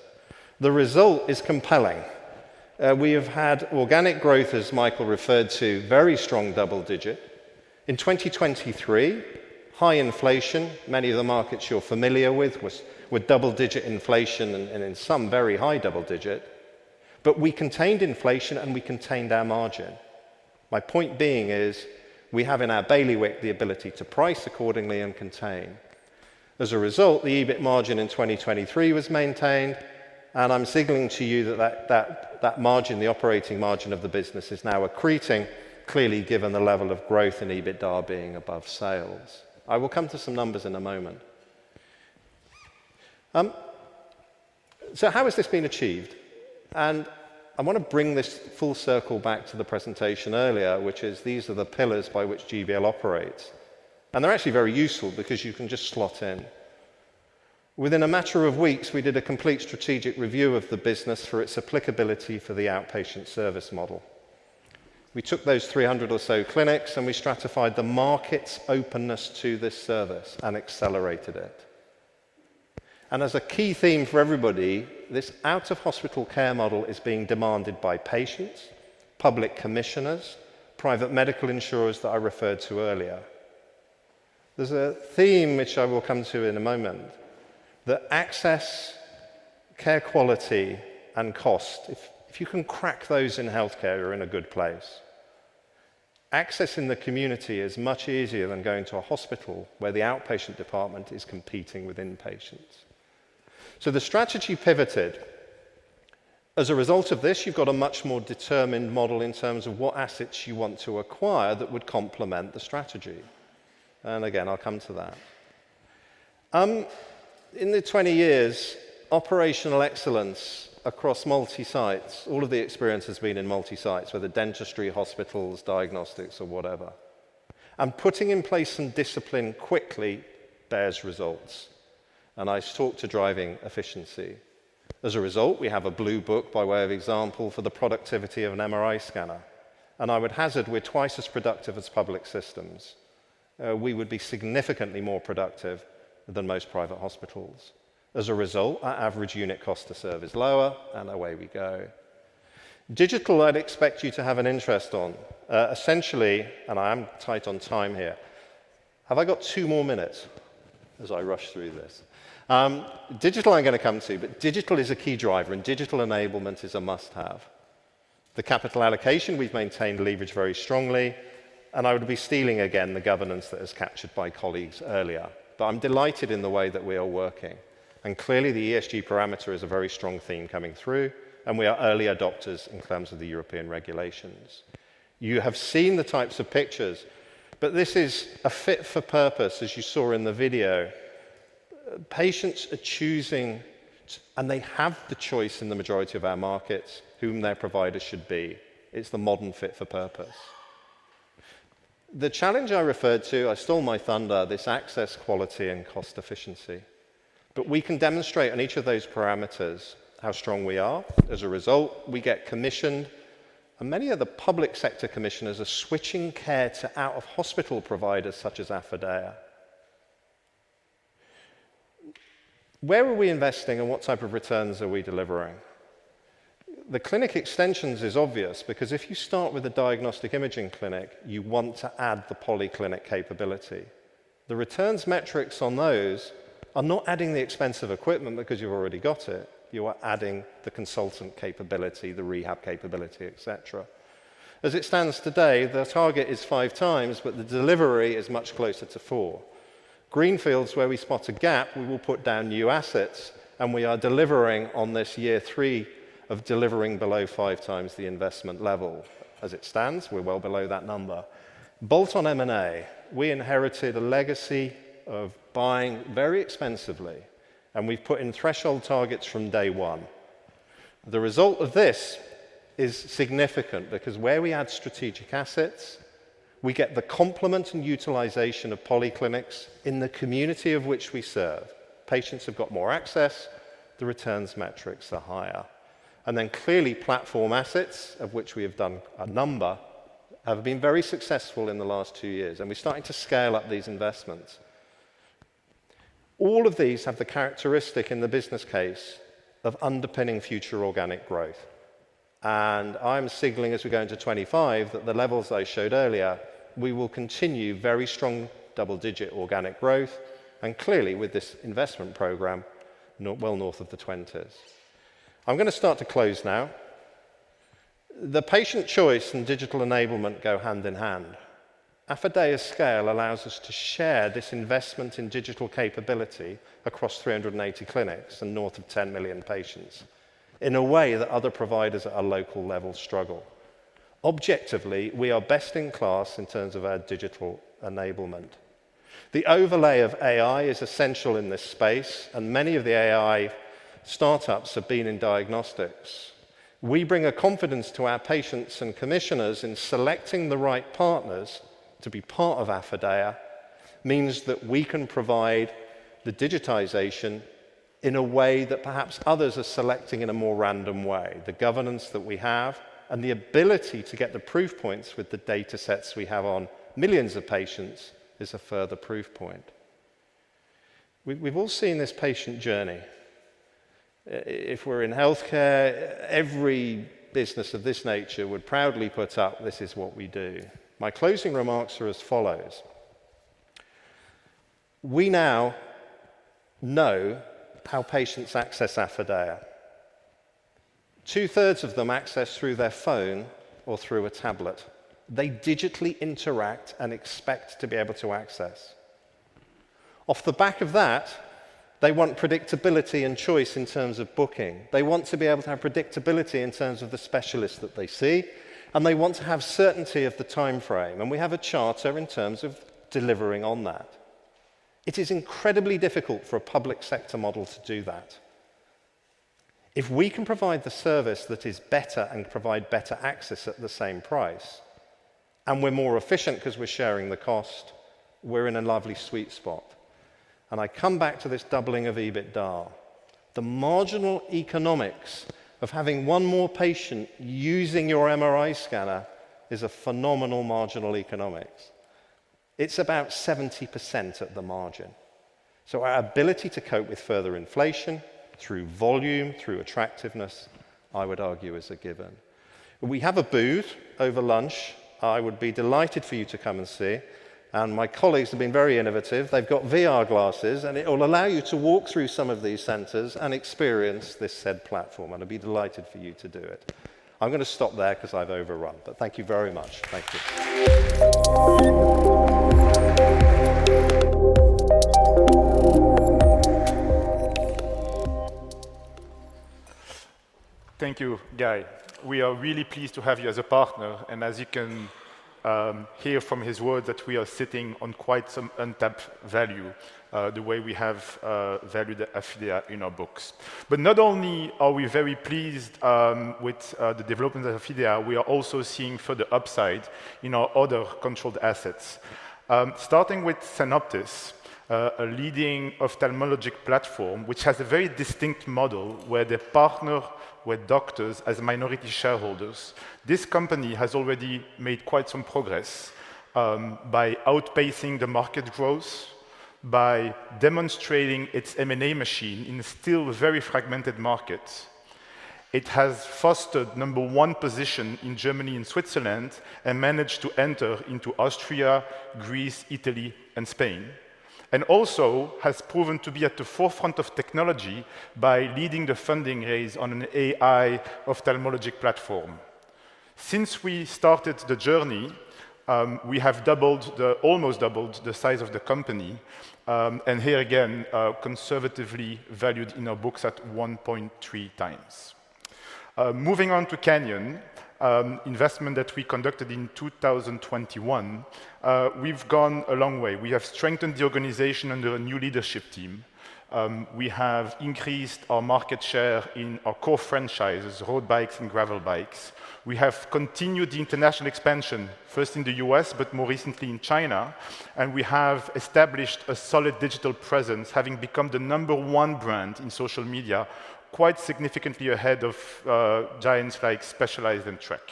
The result is compelling. We have had organic growth, as Michael referred to very strong double digit in 2023, high inflation. Many of the markets you're familiar with have double-digit inflation and in some very high double-digit. But we contained inflation and we contained our margin. My point being is we have in our bailiwick the ability to price accordingly and contain as a result the EBIT margin. In 2023 was maintained and I'm signaling to you that margin, the operating margin of the business is now accreting. Clearly, given the level of growth in EBITDA being above sales. I will come to some numbers in a moment. So how has this been achieved? And I want to bring this full circle back to the presentation earlier, which is these are the pillars by which GBL operates and they're actually very useful because you can just slot in within a matter of weeks. We did a complete strategic review of the business for its applicability for the outpatient service model. We took those 300 or so clinics and we stratified the market's openness to this service and accelerated it, and as a key theme for everybody, this out of hospital care model is being demanded by patients, public commissioners, private medical insurers that I referred to earlier. There's a theme which I will come to in a moment, that access, care, quality, and cost. If you can crack those in health care, you're in a good place. Access in the community is much easier than going to a hospital where the outpatient department is competing with inpatients, so the strategy pivoted as a result of this. You've got a much more determined model in terms of what assets you want to acquire that would complement the strategy. And again I'll come to that. In the 20 years operational excellence across multi sites. All of the experience has been in multi sites, whether dentistry, hospitals, diagnostics or whatever. And putting in place some discipline quickly bears results. And I talk to driving efficiency. As a result we have a blue book by way of example for the productivity of an MRI scanner. And I would hazard we're twice as productive as public systems. We would be significantly more productive than most private hospitals. As a result, our average unit cost to serve is lower. And away we go. Digital, I'd expect you to have an interest on essentially, and I am tight on time here. Have I got two more minutes? As I rush through this Digital I'm going to come to. But digital is a key driver and digital enablement is a must have the capital allocation. We've maintained leverage very strongly and I would be stealing again the governance that is captured by colleagues earlier. But I'm delighted in the way that we are working and clearly the ESG parameter is a very strong theme coming through and we are early adopters in terms of the European regulations. You have seen the types of pictures. But this is a fit for purpose. As you saw in the video. Patients are choosing and they have the choice in the majority of our markets whom their providers should be. It's the modern fit for purpose. The challenge I referred to. I stole my thunder. This access, quality and cost efficiency. But we can demonstrate on each of those parameters how strong we are. As a result, we get commissioned and many of the public sector commissioners are switching care to out of hospital providers such as Affidea. Where are we investing and what type of returns are we delivering? The clinic extensions is obvious because if you start with a diagnostic imaging clinic, you want to add the polyclinic capability. The returns metrics on those are not adding the expensive equipment because you've already got it. You are adding the consultant capability, the rehab capability, etc. As it stands today, the target is five times but the delivery is much closer to four greenfields. Where we spot a gap, we will put down new assets and we are delivering on this year three of delivering below five times the investment level. As it stands, we're well below that number bolt-on M&A. We inherited a legacy of buying very expensively and we've put in threshold targets from day one. The result of this is significant because where we add strategic assets, we get the complement and utilization of polyclinics in the community of which we serve. Patients have got more access. The returns metrics are higher and then clearly platform assets of which we have done a number have been very successful in the last two years and we're starting to scale up these investments. All of these have the characteristic in the business case of underpinning future organic growth. I'm signalling as we go into 2025 that the levels I showed earlier we will continue very strong double digit organic growth. Clearly with this investment program, well north of the 20s, I'm going to start to close now. The patient choice and digital enablement go hand in hand. Affidea's scale allows us to share this investment in digital capability across 380 clinics and north of 10 million patients in a way that other providers at a local level struggle objectively. We are best in class in terms of our digital enablement. The overlay of AI is essential in this space and many of the AI startups have been in diagnostics. We bring a confidence to our patients and commissioners in selecting the right partners to be part of. Affidea means that we can provide the digitization in a way that perhaps others are selecting in a more random way. The governance that we have and the ability to get the proof points with the data sets we have on millions of patients is a further proof point. We've all seen this patient journey. If we're in healthcare, every business of this nature would proudly put up this is what we do. My closing remarks are as we now know how patients access Affidea. 2/3 of them access through their phone or through a tablet. They digitally interact and expect to be able to access off the back of that. They want predictability and choice in terms of booking, they want to be able to have predictability in terms of the specialists that they see and they want to have certainty of the time frame and we have a charter in terms of delivering on that. It is incredibly difficult for a public sector model to do that. If we can provide the service that is better and provide better access at the same price and we're more efficient because we're sharing the cost, we're in a lovely sweet spot. And I come back to this doubling of EBITDA. The marginal economics of having one more patient using your MRI scanner is a phenomenal marginal economics. It's about 70% at the margin. So our ability to cope with further inflation through volume, through attractiveness, I would argue is a given. We have a booth over lunch. I would be delighted for you to come and see and my colleagues have been very innovative. They've got VR glasses and it will allow you to walk through some of these centers and experience this said platform and I'd be delighted for you to do it. I'm going to stop there because I've overrun, but thank you very much. Thank you. Thank you, Guy. We are really pleased to have you as a partner and as you can hear from his words, that we are sitting on quite some untapped value, the way we have valued Affidea in our books. But not only are we very pleased with the development of Affidea, we are also seeing for the upside you in our other controlled assets, starting with Sanoptis, a leading ophthalmologic platform which has a very distinct model where they partner with doctors as minority shareholders. This company has already made quite some progress by outpacing the market growth by demonstrating its M and A machine in still very fragmented markets. It has focused, fostered number one position in Germany and Switzerland and managed to enter into Austria, Greece, Italy and Spain. And also has proven to be at the forefront of technology by leading the funding raise on an AI ophthalmologic platform. Since we started the journey, we have almost doubled the size of the company and here again conservatively valued in our books at 1.3x. Moving on to Canyon investment that we conducted in 2021, we've gone a long way. We have strengthened the organization under a new leadership team. We have increased our market share in our core franchises, road bikes and gravel bikes. We have continued the international expansion, first in the U.S. but more recently in China. And we have established a solid digital presence having become the number one brand in social media quite significantly ahead of giants like Specialized and Trek.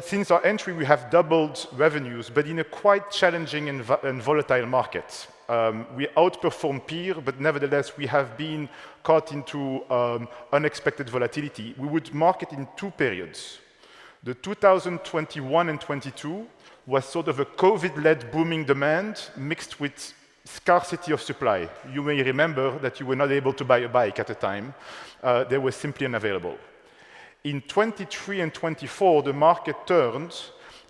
Since our entry we have doubled revenues, but in a quite challenging and volatile market, we outperformed peer, but nevertheless we have been caught in unexpected volatility. We divide the market in two periods. The 2020, 2021 and 2022 was sort of a COVID-led booming demand mixed with scarcity of supply. You may remember that you were not able to buy a bike at the time. They were simply unavailable. In 2023 and 2024 the market turned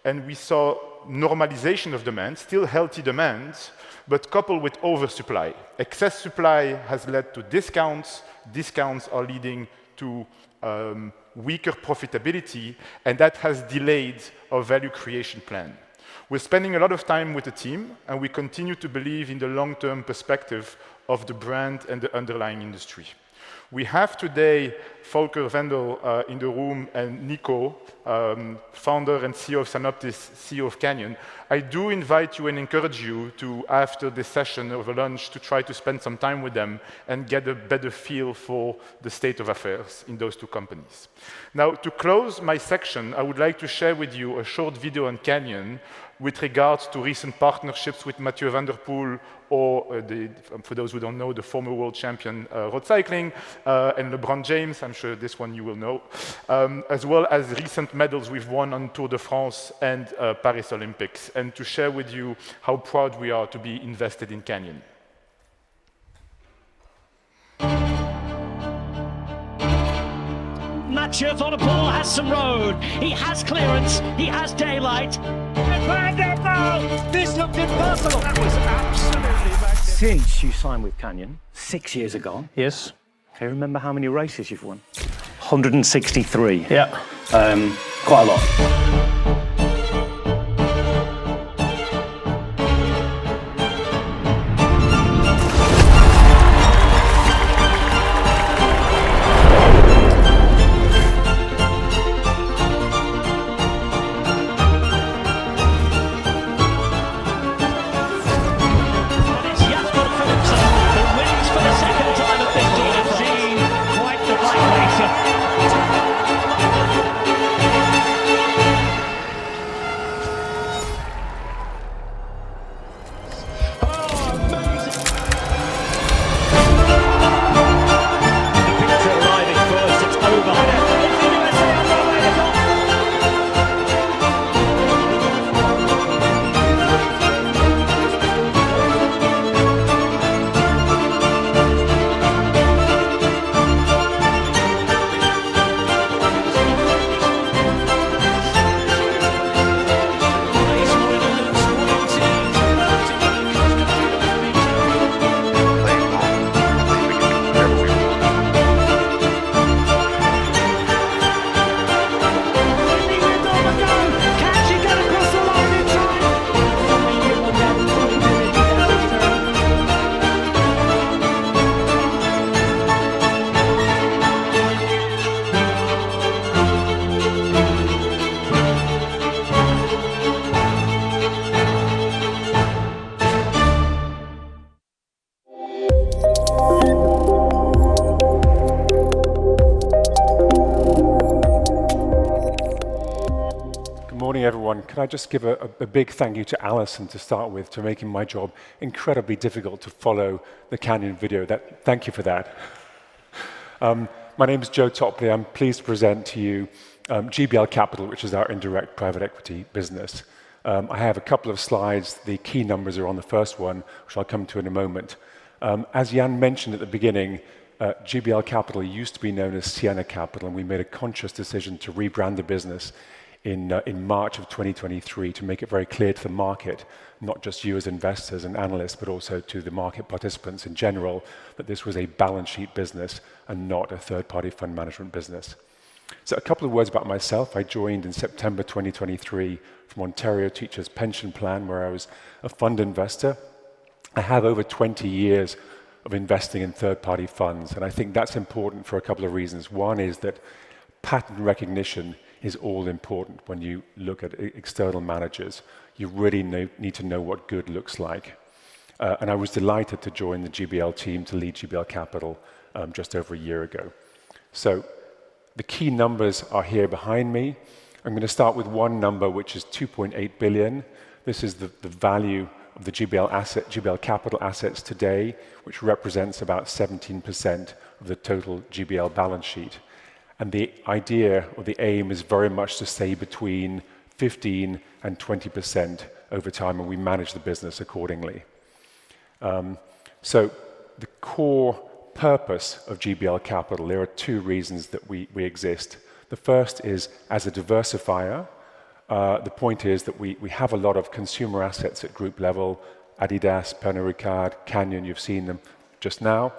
and we saw normalization of demand. Still healthy demand, but coupled with oversupply, excess supply has led to discounts. Discounts are leading to weaker profitability and that has delayed our value creation plan. We're spending a lot of time with the team and we continue to believe in the long-term perspective of the brand and the underlying industry. We have today Volker Wendel in the room and Nico, founder and CEO of Sanoptis, CEO of Canyon. I do invite you and encourage you to, after this session or a lunch, try to spend some time with them and get a better feel for the state of affairs in those two companies. Now to close my section, I would like to share with you a short video on Canyon with regards to recent partnerships with Mathieu van der Poel. For those who don't know the former world champion road cycling and LeBron James, I'm sure this one you will know as well as recent medals we've won on Tour de France and Paris Olympics, and to share with you how proud we are to be invested in Canyon. Mathieu van der Poel has some road, he has clearance, he has daylight. This looked impersonal. That was absolutely magnificent. Since you signed with Canyon? Six years ago? Yes. Can you remember how many races you've won? 163. Yeah, quite a lot. Good morning everyone. Can I just give a big thank you to Alison to start with, to making my job incredibly difficult to follow the Canyon video. That. Thank you for that. My name is Joe Topley. I'm pleased to present to you GBL Capital, which is our indirect private equity business. I have a couple of slides. The key numbers are on the first one, which I'll come to in a moment. As Ian mentioned at the beginning, GBL Capital used to be known as Sienna Capital, and we made a conscious decision to rebrand the business in March of 2023 to make it very clear to the market, not just you as investors and analysts, but also to the market participants in general, that this was a balance sheet business and not a third party fund management business, so a couple of words about myself. I joined in September 2023 from Ontario Teachers' Pension Plan where I was a fund investor. I have over 20 years of investing in third party funds and I think that's important for a couple of reasons. One is that pattern recognition is all important. When you look at external managers, you really need to know what good looks like. And I was delighted to join the GBL team to lead GBL Capital just over a year ago. So the key numbers are here behind me. I'm going to start with one number which is 2.8 billion. This is the value of the GBL Capital assets today, which represents about 17% of the total GBL balance sheet. And the idea or the aim is very much to say between 15% and 20% over time. And we manage the business accordingly. The core purpose of GBL Capital, there are two reasons that we exist. The first is as a diversifier. The point is that we have a lot of consumer assets at group level. Adidas, Pernod Ricard, Canyon. You've seen them just now.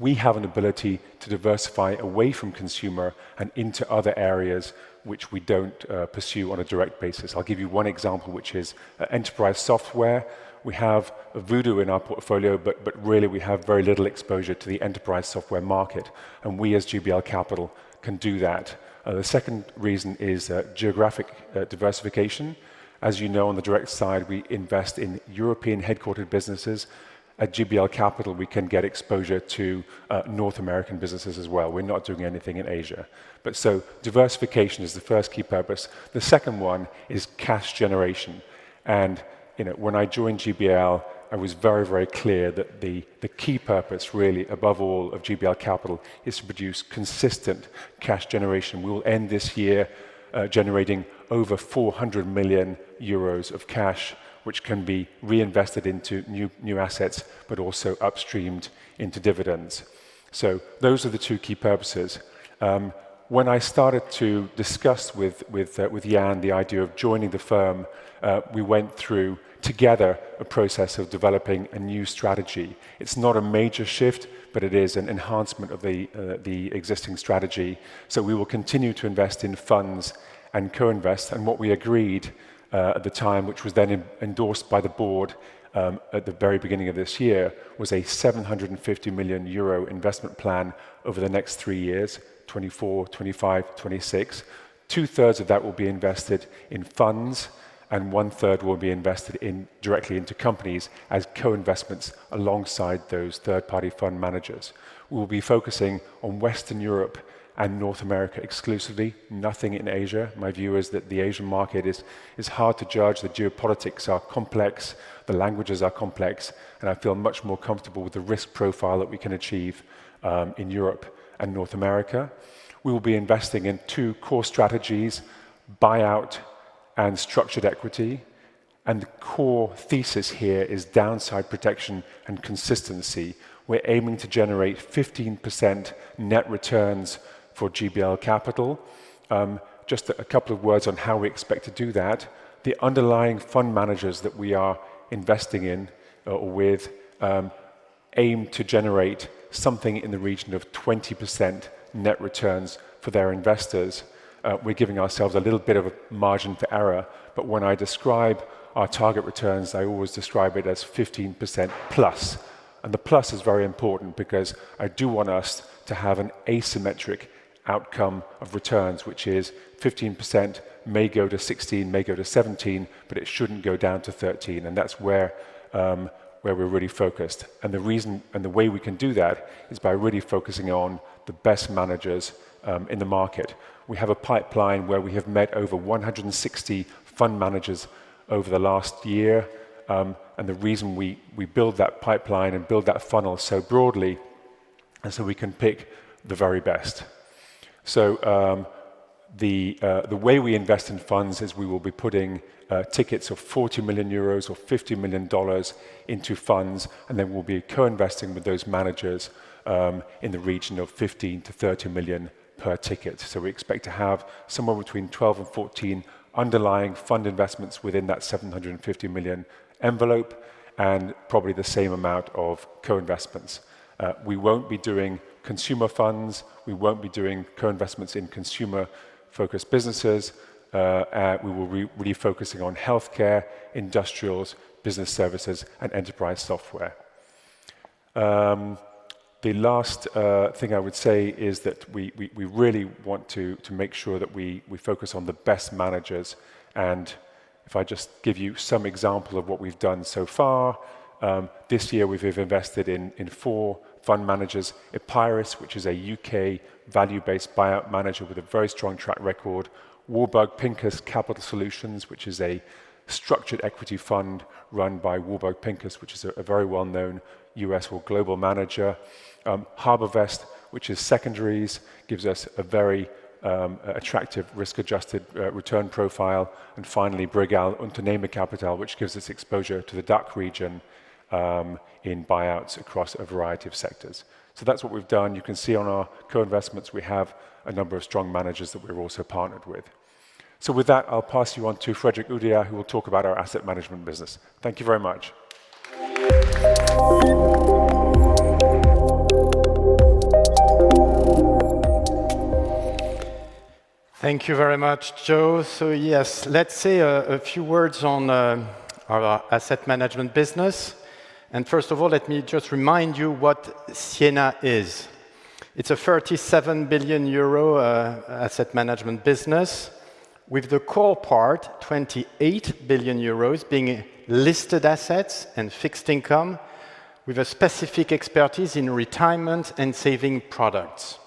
We have an ability to diversify away from consumer and into other areas which we don't pursue on a direct basis. I'll give you one example, which is enterprise software. We have Voodoo in our portfolio, but really we have very little exposure to the enterprise software market and we as GBL Capital can do that. The second reason is geographic diversification. As you know, on the direct side, we invest in European headquartered businesses. At GBL Capital we can get exposure to North American businesses as well. We're not doing anything in Asia. But so diversification is the first key purpose. The second one is cash generation, and when I joined GBL I was very, very clear that the key purpose really above all of GBL Capital is to produce consistent cash generation. We will end this year generating over 400 million euros of cash which can be reinvested into new assets but also upstreamed into dividends, so those are the two key purposes. When I started to discuss with Ian the idea of joining the firm, we went through together a process of developing a new strategy. It's not a major shift, but it is an enhancement of the existing strategy, so we will continue to invest in funds and co invest, and what we agreed at the time, which was then endorsed by the board at the very beginning of this year, was a 750 million euro investment plan. Over the next three years, 2024, 2025, 2026, 2/3 will be invested in funds and 1/3 will be invested directly into companies as co-investments. Alongside those third-party fund managers, we will be focusing on Western Europe and North America exclusively, nothing in Asia. My view is that the Asian market is hard to judge. The geopolitics are complex. The languages are complex, and I feel much more comfortable with the risk profile that we can achieve in Europe and North America. We will be investing in two core strategies, buyout and structured equity. The core thesis here is downside protection and consistency. We're aiming to generate 15% net returns for GBL Capital. Just a couple of words on how we expect to do that. The underlying fund managers that we are investing in who aim to generate something in the region of 20% net returns for their investors. We're giving ourselves a little bit of a margin for error, but when I describe our target returns, I always describe it as 15% and the plus is very important because I do want us to have an asymmetric outcome of returns where 15% may go to 16, may go to 17, but it shouldn't go down to 13. That's where we're really focused. The reason and the way we can do that is by really focusing on the best managers in the market. We have a pipeline where we have met over 160 fund managers over the last year. The reason we build that pipeline and build that funnel so broadly is so we can pick the very best. The way we invest in funds is we will be putting tickets of 40 million euros or $50 million into funds and then we'll be co-investing with those managers in the region of 15-30 million per ticket. We expect to have somewhere between 12 and 14 underlying fund investments within that 750 million envelope. Probably the same amount of co-investments. We won't be doing consumer funds, we won't be doing co-investments in consumer-focused businesses. We will be focusing on health care, industrials, business services and enterprise software. The last thing I would say is that we really want to make sure that we focus on the best managers. If I just give you some example of what we've done so far this year. We've invested in four fund managers. Epiris, which is a UK value based buyout manager with a very strong track record. Warburg Pincus Capital Solutions, which is a structured equity fund run by Warburg Pincus, which is a very well known U.S. or global manager. HarbourVest, which is secondaries, gives us a very attractive risk adjusted return profile. And finally Bregal Unternehmerkapital, which gives us exposure to the DACH region in buyouts across a variety of sectors. So that's what we've done. You can see on our co investments we have a number of strong managers that we've also partnered with. So with that I'll pass you on to Frédéric Oudéa, who will talk about our asset management business. Thank you. Thank you very much. Thank you very much, Joe. So, yes, let's say a few words on our asset management business. And first of all, let me just remind you what Sienna is. It's a 37 billion euro asset management business with the core part, 28 billion euros being listed assets and fixed income with a specific expertise in retirement and saving products.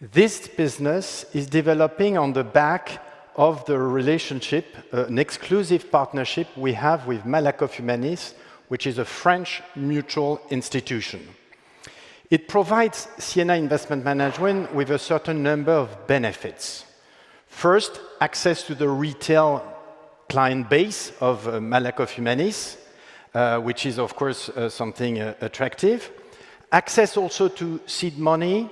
This business is developing on the back of the relationship, an exclusive partnership we have with Malakoff Humanis, which is a French mutual institution. It provides Sienna Investment Management with a certain number of business benefits. First, access to the retail client base of Malakoff Humanis, which is of course something attractive. Access also to seed money.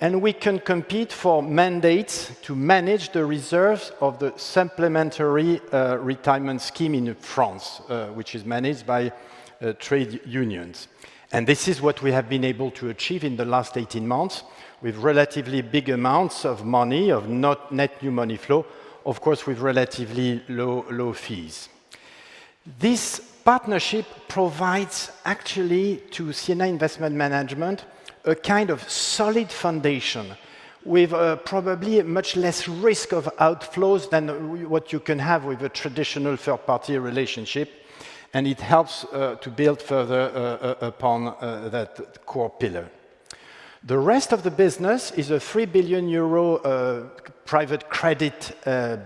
And we can compete for mandates to manage the reserves of the supplementary retirement scheme in France, which is managed by trade unions. This is what we have been able to achieve in the last 18 months with relatively big amounts of money, of net new money flow, of course, with relatively low fees. This partnership provides actually to Sienna Investment Management a kind of solid foundation with probably much less risk of outflows than what you can have with a traditional third party relationship, and it helps to build further upon that core pillar. The rest of the business is a 3 billion euro private credit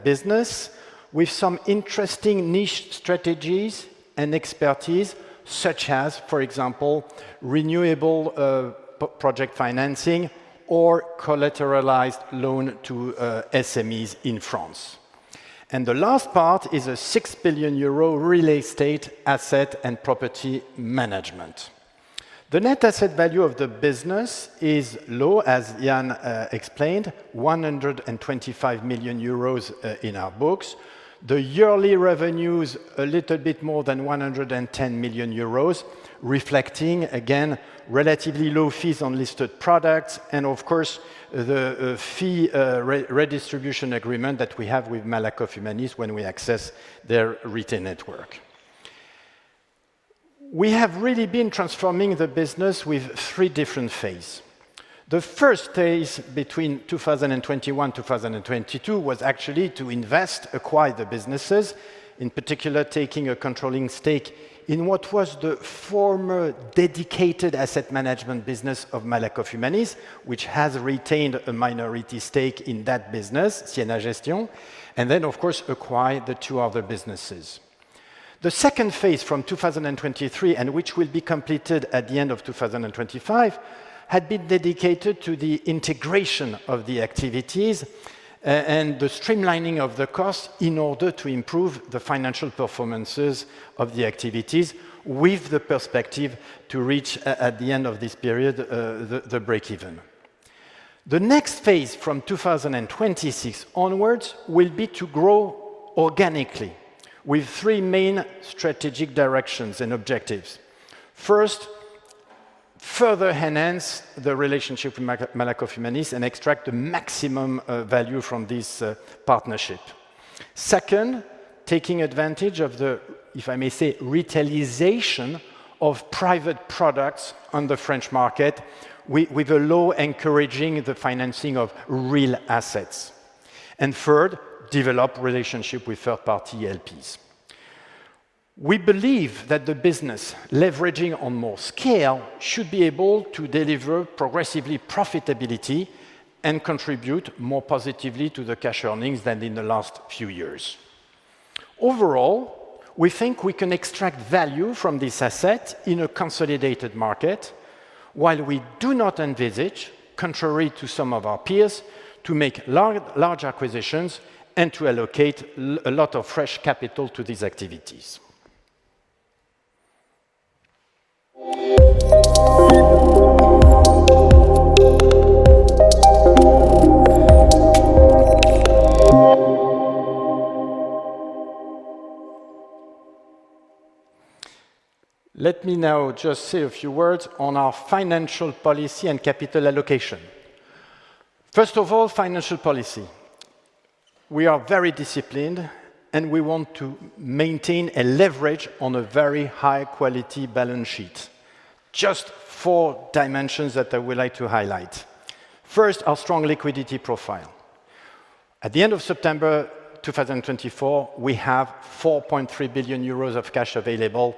business with some interesting niche strategies and expertise, such as, for example, renewable project financing or collateralized loan to SMEs in France, and the last part is a 6 billion euro real estate asset and property management. The net asset value of the business is low, as Ian explained, 125 million euros in our books. The yearly revenues a little bit more than 110 million euros, reflecting again relatively low fees on listed products, and of course the fee redistribution agreement that we have with Malakoff Humanis when we accept their retail network. We have really been transforming the business with three different phases. The first phase between 2021, 2022 was actually to invest, acquire the businesses, in particular, taking a controlling stake in what was the former dedicated asset management business of Malakoff Humanis, which has retained a minority stake in that business, and then of course acquired the two other businesses. The second phase, from 2023, and which will be completed at the end of 2025, had been dedicated to the integration of the activities and the streamlining of the cost in order to improve the financial performances of the activities with the perspective to reach at the end of this period. The breakeven. The next phase from 2026 onwards will be to grow organically with three main strategic directions and objectives. First, further enhance the relationship with Malakoff Humanis and extract the maximum value from this partnership. Second, taking advantage of the, if I may say, retailisation of private products on the French market with a law encouraging the financing of real assets. And third, develop relationship with third party LPs. We believe that the business leveraging on more scale should be able to deliver progressively profitability and contribute more positively to the cash earnings than in the last few years. Overall, we think we can extract value from this asset in a consolidated market. While we do not envisage, contrary to some of our peers, to make large acquisitions and to allocate a lot of fresh capital to these activities. Let me now just say a few words on our financial policy and capital allocation. First of all, financial policy, we are very disciplined and we want to maintain a leverage on a very high quality balance sheet. Just four dimensions that I would like to highlight. First, our strong liquidity profile. At the end of September 2024 we have 4.3 billion euros of cash available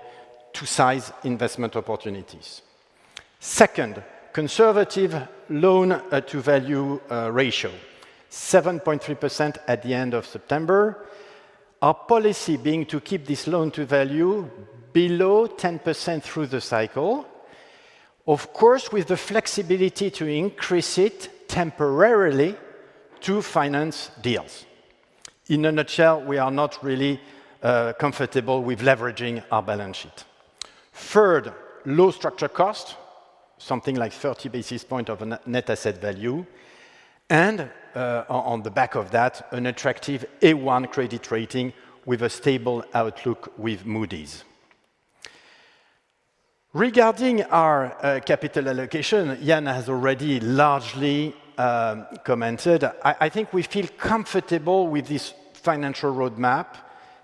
to seize investment opportunities. Second, conservative loan-to-value ratio 7.3% at the end of September, our policy being to keep this loan-to-value, but below 10% through the cycle. Of course, with the flexibility to increase it temporarily to finance deals. In a nutshell, we are not really comfortable with leveraging our balance sheet. Third, low structure cost, something like 30 basis points of net asset value. On the back of that, an attractive A1 credit rating, with a stable outlook with Moody's. Regarding our capital allocation, Ian has already largely commented. I think we feel comfortable with this financial roadmap.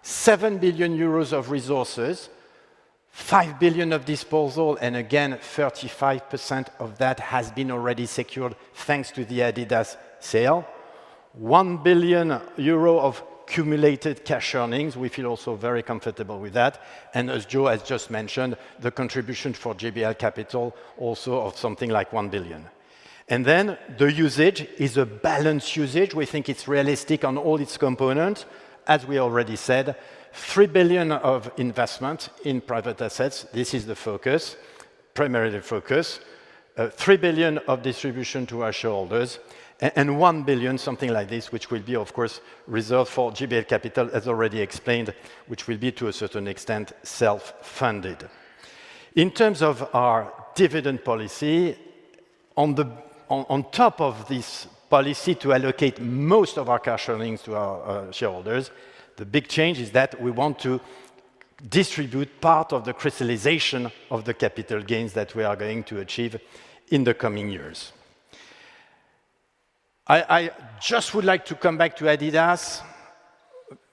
7 billion euros of resources, 5 billion of disposal and again 35% of that has been already secured thanks to the Adidas sale. 1 billion euro of cumulated cash earnings. We feel also very comfortable with that. And as Joe has just mentioned, the contribution for GBL Capital also of something like 1 billion and then the usage is a balanced usage. We think it's realistic on all its components. As we already said, 3 billion of investment in private assets. This is the primary focus. 3 billion of distribution to our shareholders and 1 billion something like this, which will be of course reserved for GBL Capital, as already explained, which will be to a certain extent self funded in terms of our dividend policy on top of this policy to allocate most of our cash earnings to our shareholders. The big change is that we want to distribute part of the crystallization of the capital gains that we are going to achieve in the coming years. I just would like to come back to Adidas.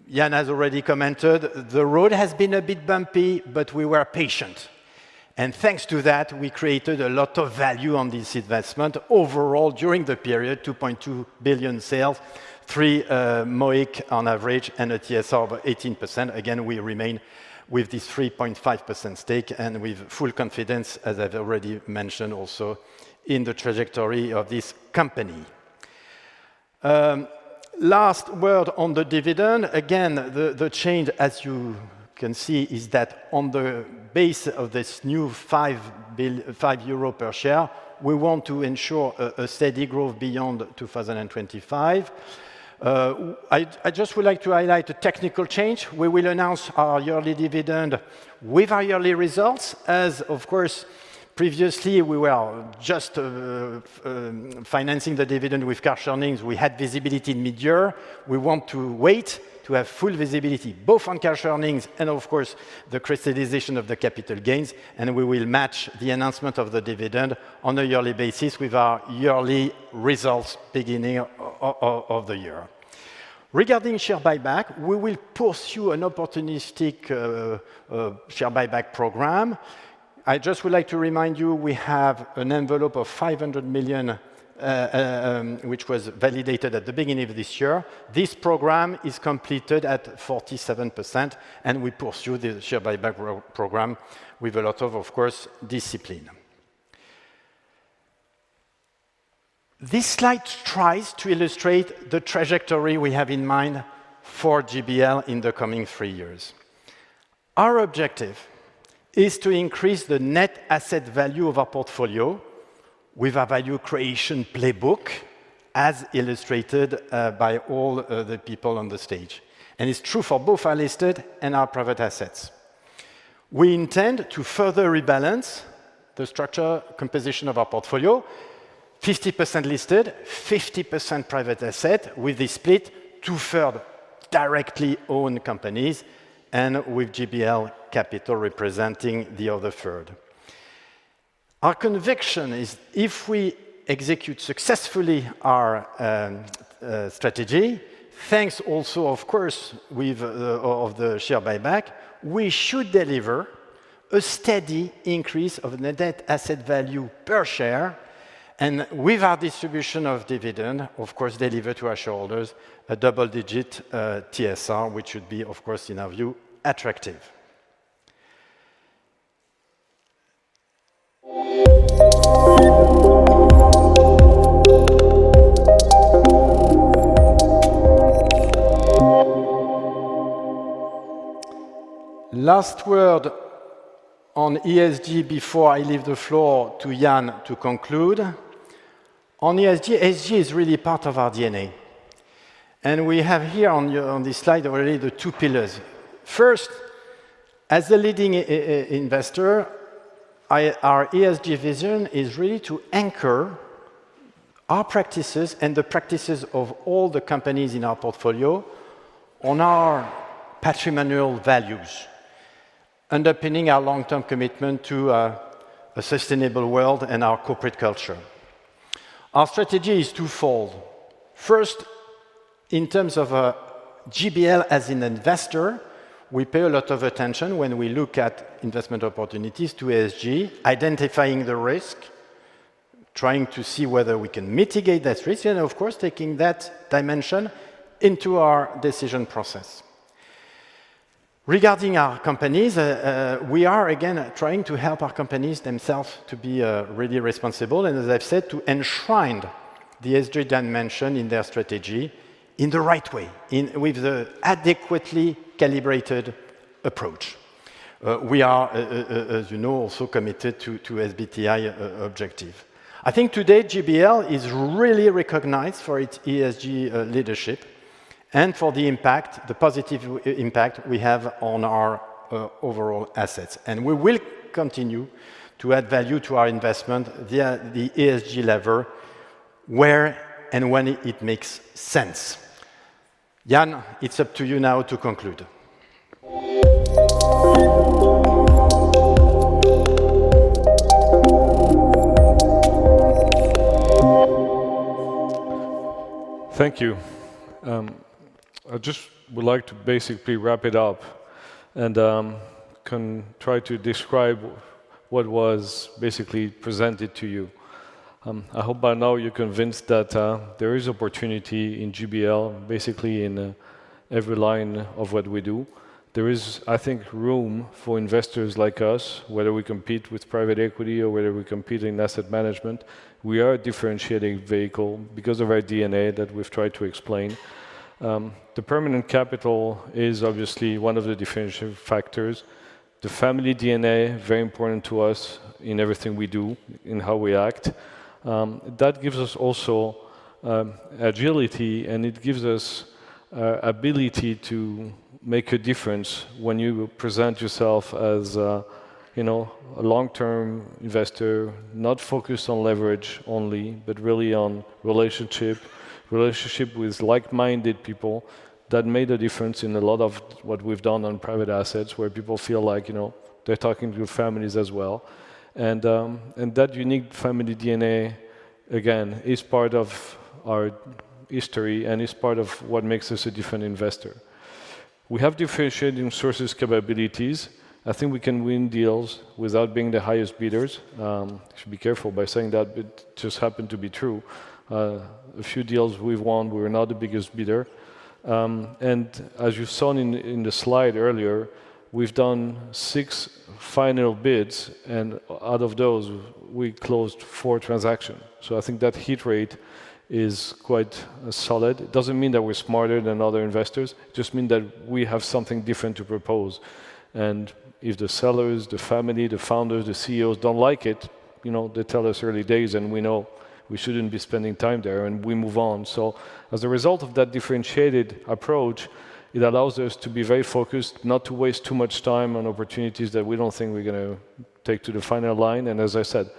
Ian has already commented. The road has been a bit bumpy, but we were patient and thanks to that we created a lot of value on this investment overall during the period. 2.2 billion sales, 3 MOIC on average and a TSR of 18%. Again we remain with this 3.5% stake and with full confidence, as I've already mentioned, also in the trajectory of this company. Last word on the dividend. Again the change, as you can see, is that on the base of this new €5 per share, we want to ensure a steady growth beyond 2025. I just would like to highlight a technical change. We will announce our yearly dividend with our yearly results as of course previously we were just financing the dividend with cash earnings. We had visibility in mid year. We want to wait to have full visibility both on cash earnings and of course the crystallization of the capital gains. And we will match the announcement of the dividend on a yearly basis with our yearly results. Beginning of the year. Regarding share buyback, we will pursue an opportunistic share buyback program. I just would like to remind you we have an envelope of 500 million which was validated at the beginning of this year. This program is completed at 47% and we pursue the share buyback program with a lot of, of course, discipline. This slide tries to illustrate the trajectory we have in mind for GBL in the coming three years. Our objective is to increase the net asset value of our portfolio with our value creation playbook as illustrated by all the people on the stage, and it's true for both our listed and our private assets. We intend to further rebalance the structure composition of our portfolio. 50% listed, 50% private asset. With this split, 2/3 directly owned companies and with GBL Capital representing the other third. Our conviction is if we execute successfully our strategy. Thanks also, of course, to the share buyback, we should deliver a steady increase of net asset value per share and, with our distribution of dividend, of course deliver to our shareholders a double digit TSR, which would be, of course, in our view, attractive. Last word on ESG before I leave the floor to Ian to conclude on ESG. ESG is really part of our DNA and we have here on this slide already the two pillars. First, as a leading investor, our ESG vision is really to anchor our practices and the practices of all the companies in our portfolio on our patrimonial values underpinning our long term commitment to a sustainable world and our corporate culture. Our strategy is twofold. First, in terms of GBL as an investor, we pay a lot of attention when we look at investment opportunities to ESG, identifying the risk, trying to see whether we can mitigate that risk and of course taking that dimension into our decision process regarding our companies. We are again trying to help our companies themselves to be really responsible and, as I've said, to enshrine the ESG dimensions mentioned in their strategy in the right way with the adequately calibrated approach. We are, as you know, also committed to SBTi objective. I think today GBL is really recognized for its ESG leadership and for the impact, the positive impact we have on our overall assets and we will continue to add value to our investment via the ESG lever where and when it makes sense. Ian, it's up to you now to conclude. Thank you. I just would like to basically wrap it up and try to describe what was basically presented to you. I hope by now you're convinced that there is opportunity in GBL. Basically in every line of what we do there is I think room for investors like us. Whether we compete with private equity or whether we compete in asset management. We are a differentiating vehicle because of our DNA that we've tried to explain. The permanent capital is obviously one of the differentiation factors. The family DNA very important to us in everything we do, in how we act. That gives us also agility and it gives us ability to make a difference. When you present yourself as a long-term investor, not focused on leverage only but really on relationship with like-minded people, that made a difference in a lot of what we've done on private assets where people feel like, you know, they're talking to families as well. And that unique family DNA again is part of our history and is part of what makes us a different investor. We have differentiating sources, capabilities. I think we can win deals without being the highest bidders. Should be careful by saying that it just happened to be true. A few deals we've won, we're not the biggest bidder and as you saw in the slide earlier, we've done six final bids and out of those we closed four transactions. So I think that hit rate is quite solid. It doesn't mean that we're smarter than other investors, just means that we have something different to propose. And if the sellers, the family, the founders, the CEOs don't like it, they tell us early days and we know we shouldn't be spending time there and we move on. So as a result of that differentiated approach, it allows us to be very focused not to waste too much time on opportunities that we don't think we're going to take to the final line. And as I said,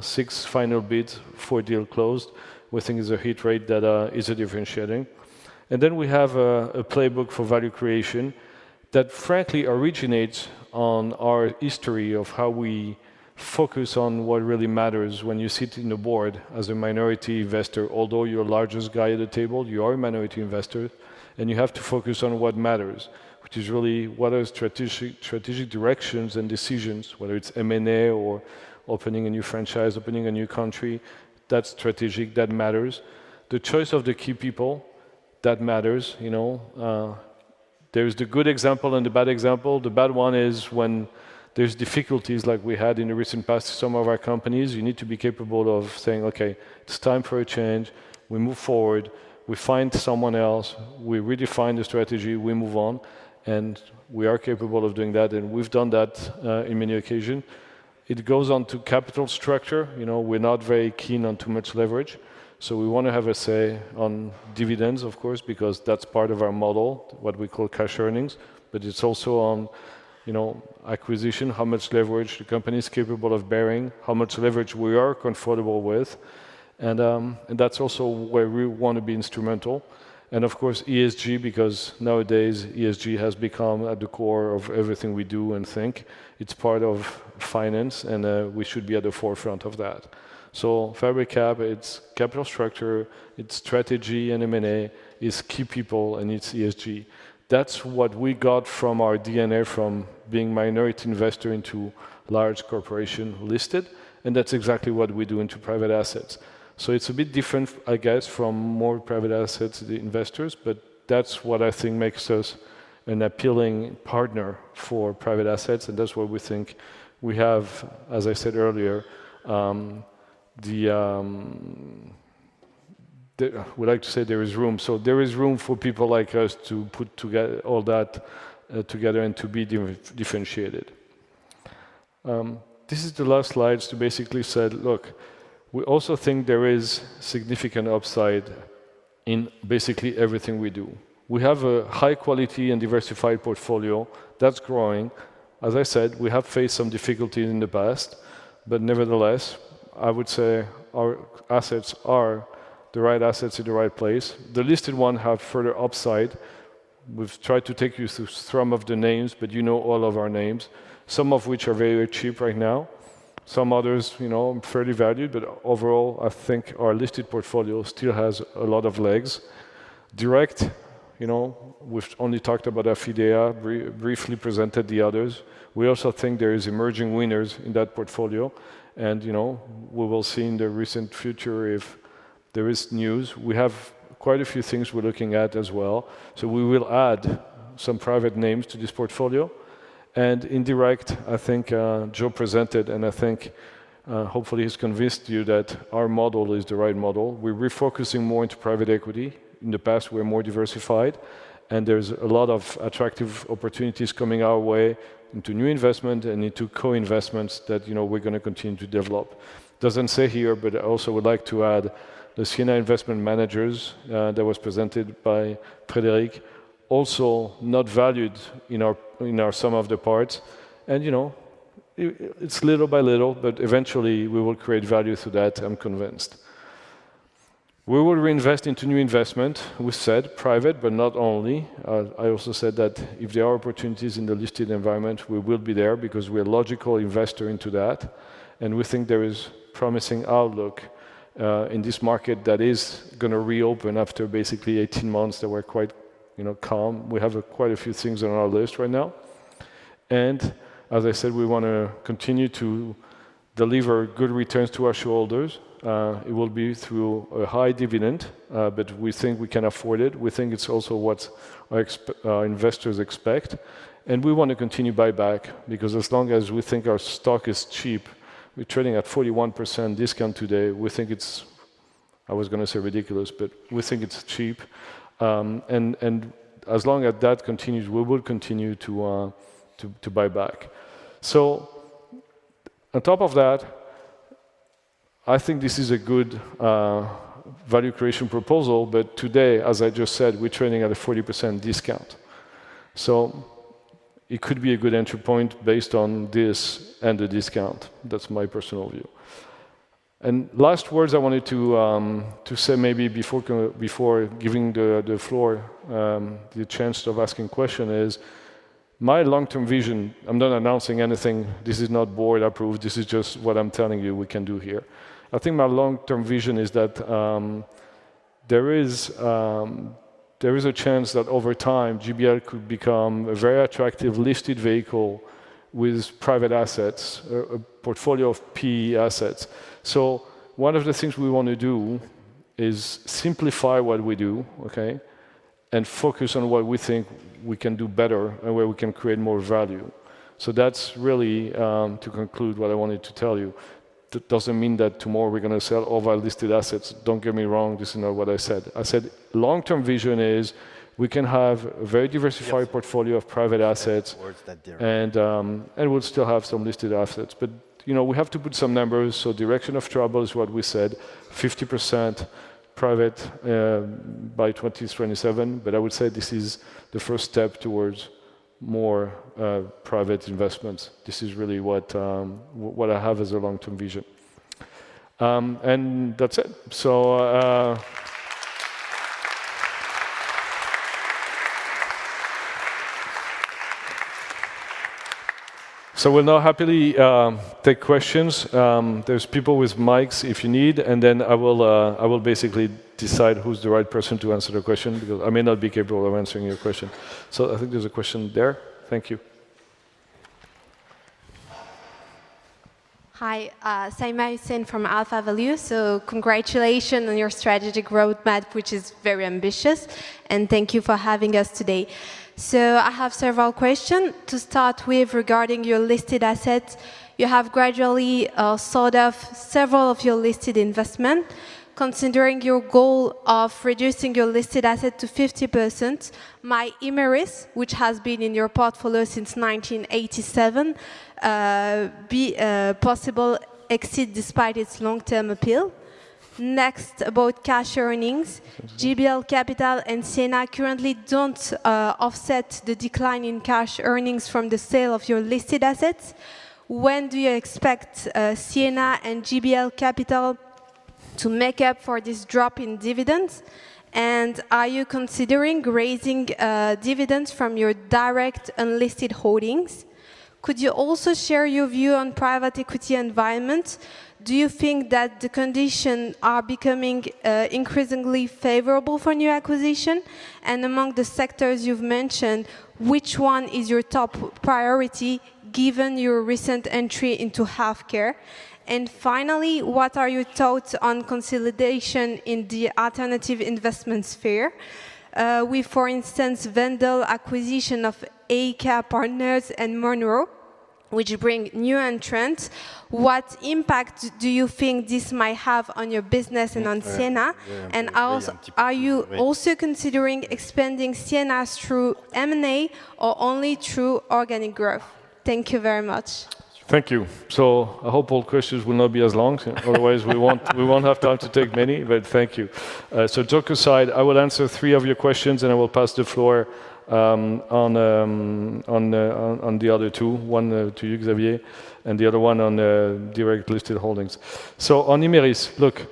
six final bids, four deals closed, we think is a hit rate that is a differentiating. And then we have a playbook for value creation that frankly originates on our history of how we focus on what really matters. When you sit in the board as a minority investor, although you're largest guy at the table, you are a minority investor and you have to focus on what matters, which is really what are strategic directions and decisions. Whether it's M and A or opening a new franchise, opening a new country, that's strategic, that matters. The choice of the key people. That matters. There is the good example and the bad example. The bad one is when there's difficulties like we had in the recent past. Some of our companies, you need to be capable of saying, okay, it's time for a change, we move forward, we find someone else, we redefine the strategy, we move on. And we are capable of doing that. And we've done that in many occasions. It goes on to capital structure. You know, we're not very keen on too much leverage. So we want to have a say on dividends, of course, because that's part of our model, what we call cash earnings. But it's also, you know, acquisition, how much leverage the company is capable of bearing, how much leverage we are comfortable with. And that's also where we want to be instrumental and of course ESG, because nowadays ESG has become at the core of everything we do and think. It's part of finance and we should be at the forefront of that. So for big cap, it's capital structure, its strategy and M&A, it's key people and it's ESG. That's what we got from our DNA from being minority investor into large corporation listed. And that's exactly what we do into private assets. So it's a bit different, I guess from more private assets, the investors. But that's what I think makes us an appealing partner for private assets, and that's what we think we have. As I said earlier, we like to say there is room, so there is room for people like us to put all that together and to be differentiated. This is the last slide that basically says, look, we also think there is significant upside in basically everything we do. We have a high quality and diversified portfolio that's growing. As I said, we have faced some difficulties in the past, but nevertheless, I would say our assets are the right assets in the right place. The listed ones have further upside. We've tried to take you through some of the names but you know all of our names, some of which are very cheap right now, some others you know fairly valued but overall I think our listed portfolio still has a lot of legs, direct. You know we've only talked about Affidea briefly, presented the others. We also think there is emerging winners in that portfolio and you know we will see in the recent future if there is news. We have quite a few things we're looking at as well. So we will add some private names to this portfolio and indirect, I think Joe presented and I think hopefully he's convinced you that our model is the right model. We're refocusing more into private equity in the past. We're more diversified and there's a lot of attractive opportunities coming our way into new investment and into co investments that you know we're going to continue to develop. Doesn't say here but I also would like to add the Sienna Investment Managers that was presented by Frédéric also not valued in our in our sum of the parts and you know it's little by little but eventually we will create value through that. I'm convinced we will reinvest into new investment. We said private but not only I also said that if there are opportunities in the listed environment we will be there because we are logical investor into that and we think there is promising outlook in this market that is going to reopen after basically 18 months that were quite calm. We have quite a few things on our list right now and as I said we want to continue to deliver good returns to our shareholders. It will be through a high dividend but we think we can afford it. We think it's also what investors expect and we want to continue buyback because as long as we think our stock is cheap we're trading at 41% discount today. We think it's. I was going to say ridiculous but we think it's cheap and as long as that continues we will continue to buy back. So on top of that I think this is a good value creation proposal. But today as I just said we're trading at a 40% discount so it could be a good entry point based on this and the discount. That's my personal view and last words. I wanted to say, maybe before giving the floor the chance of asking questions, my long-term vision. I'm not announcing anything. This is not board approved. This is just what I'm telling you we can do here. I think my long-term vision is that there is a chance that over time GBL could become a very attractive listed vehicle with private assets, a portfolio of PE assets. So one of the things we want to do, simplify what we do. Okay. And focus on what we think we can do better and where we can create more value. So that's really to conclude what I wanted to tell you. That doesn't mean that tomorrow we're going to sell our listed assets. Don't get me wrong, this is not what I said. I said long term vision is we can have a very diversified portfolio of private assets and we'll still have some listed assets, but you know, we have to put some numbers. So direction of travel is what we said, 50% private by 2027. But I would say this is the first step towards more private investments. This is really what I have as a long term vision. And that's it. So we'll now happily take questions. There's people with mics if you need and then I will basically decide who's the right person to answer the question because I may not be capable of answering your question. So I think there's a question there. Thank you. Hi, Saima Hussain from AlphaValue. Congratulations on your strategic roadmap, which is very ambitious, and thank you for having us today. I have several questions to start with regarding your listed assets. You have gradually sold off several of your listed investments. Considering your goal of reducing your listed assets to 50%, Imerys, which has been in your portfolio since 1987, be possibly excluded despite its long-term appeal. Next, about cash earnings. GBL Capital and Sienna currently don't offset the decline in cash earnings from the sale of your listed assets? When do you expect Sienna and GBL Capital to make up for this drop in dividends? And are you considering raising dividends from your direct unlisted holdings? Could you also share your view on private equity environment? Do you think that the conditions are becoming increasingly favorable for new acquisition? Among the sectors you've mentioned, which one is your top priority given your recent entry into healthcare? And finally, what are your thoughts on consolidation in the alternative investment sphere? We, for instance, Wendel acquisition of IK Partners and Monroe Capital, which bring new entrants. What impact do you think this might have on your business and on Sienna? And are you also considering expanding Sienna through M&A or only through organic growth? Thank you very much. Thank you. So I hope all questions will not be as long; otherwise we won't have time to take many. But thank you. Thank you. So, joke aside, I will answer three of your questions and I will pass the floor on the other two, one to you, Xavier, and the other one on direct listed holdings. So on Imerys. Look,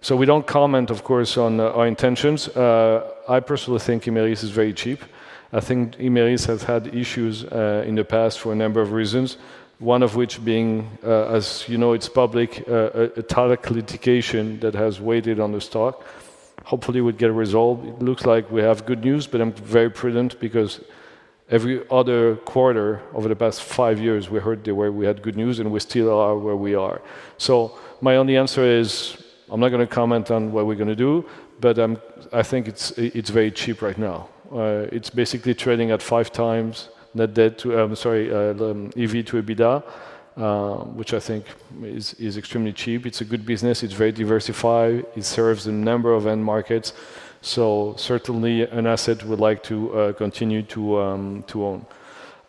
so we don't comment, of course, on our intentions. I personally think Imerys is very cheap. I think Imerys has had issues in the past for a number of reasons, one of which being, as you know, its publication that has weighed on the stock. Hopefully we'll get resolved. It looks like we have good news, but I'm very prudent because every other quarter over the past five years we heard where we had good news and we still are where we are. So my only answer is I'm not going to comment on what we're going to do. But I think it's very cheap right now. It's basically trading at 5x net debt to, I'm sorry, EV to EBITDA, which I think is extremely cheap. It's a good business, it's very diversified, it serves a number of end markets. So certainly an asset we'd like to continue to own.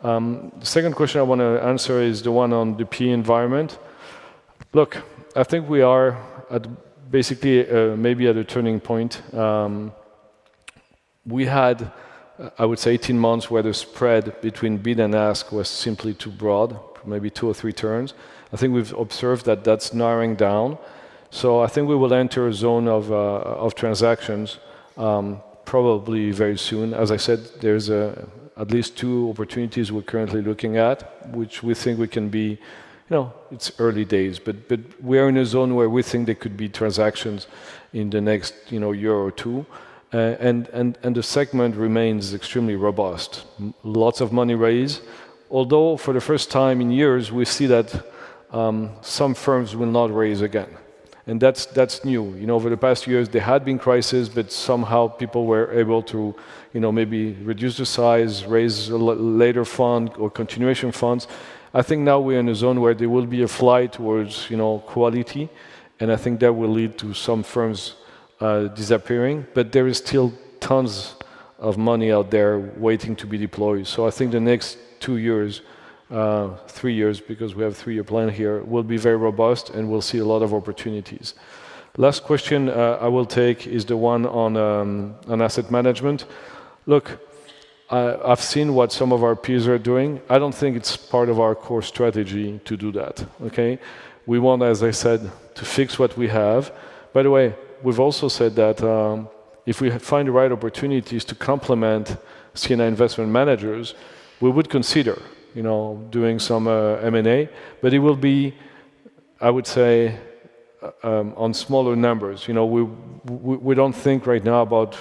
The second question I want to answer is the one on the PE environment. Look, I think we are basically maybe at a turning point. We had, I would say 18 months where the spread between bid and ask was simply too broad, maybe two or three turns. I think we've observed that that's narrowing down. So I think we will enter a zone of transactions probably very soon. As I said, there's at least two opportunities we're currently looking at which we think we can be. You know, it's early days, but we are in a zone where we think there could be transactions in the next year or two and the segment remains extremely robust, lots of money raised. Although for the first time in years we see that some firms will not raise again. And that's new. You know, for the past years there had been crisis, but somehow people were able to, you know, maybe reduce the size, raise later fund or continuation funds. I think now we're in a zone where there will be a flight towards, you know, quality and I think that will lead to some firms disappearing. But there is still tons of money out there waiting to be deployed. So I think the next two years, three years, because we have three-year plan here, will be very robust and we'll see a lot of opportunities. Last question I will take is the one on asset management. Look, I've seen what some of our peers are doing. I don't think it's part of our core strategy to do that. We want, as I said, to fix what we have. By the way, we've also said that if we find the right opportunities to complement Sienna Investment Managers, we would consider doing some M and A. But it will be, I would say on smaller numbers. We don't think right now about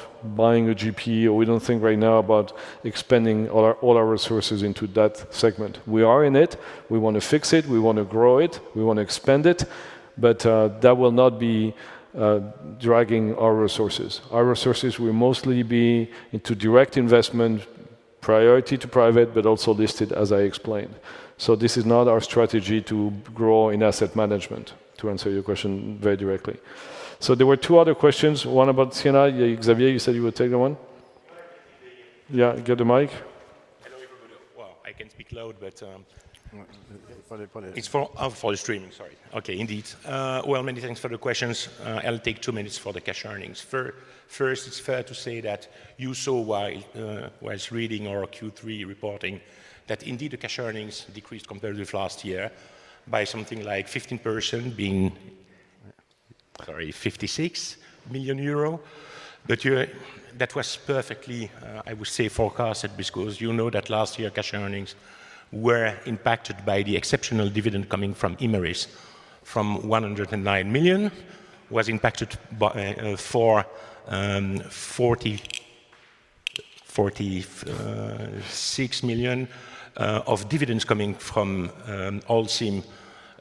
buying a GP or we don't think right now about expending all our resources into that segment. We are in it. We want to fix it. We want to grow it. We want to expand it. But that will not be dragging our resources. Our resources will mostly be into direct investment priority to private, but also listed as I explained. So this is not our strategy to grow in asset management. To answer your question very directly. So there were two other questions, one about Sienna. Xavier, you said you would take that one. Yeah, get the mic. Hello everybody. I can speak loud, but it's for the streaming. Sorry. Okay. Indeed. Well, many thanks for the questions. I'll take two minutes for the cash earnings. First it's fair to say that you saw while reading our Q3 reporting that indeed the cash earnings decreased compared with last year by something like 15% being sorry, 56 million euros. But you. That was perfectly, I would say forecasted because you know that last year cash earnings were impacted by the exceptional dividend coming from Imerys from 109 million was impacted by 46 million of dividends coming from the SIM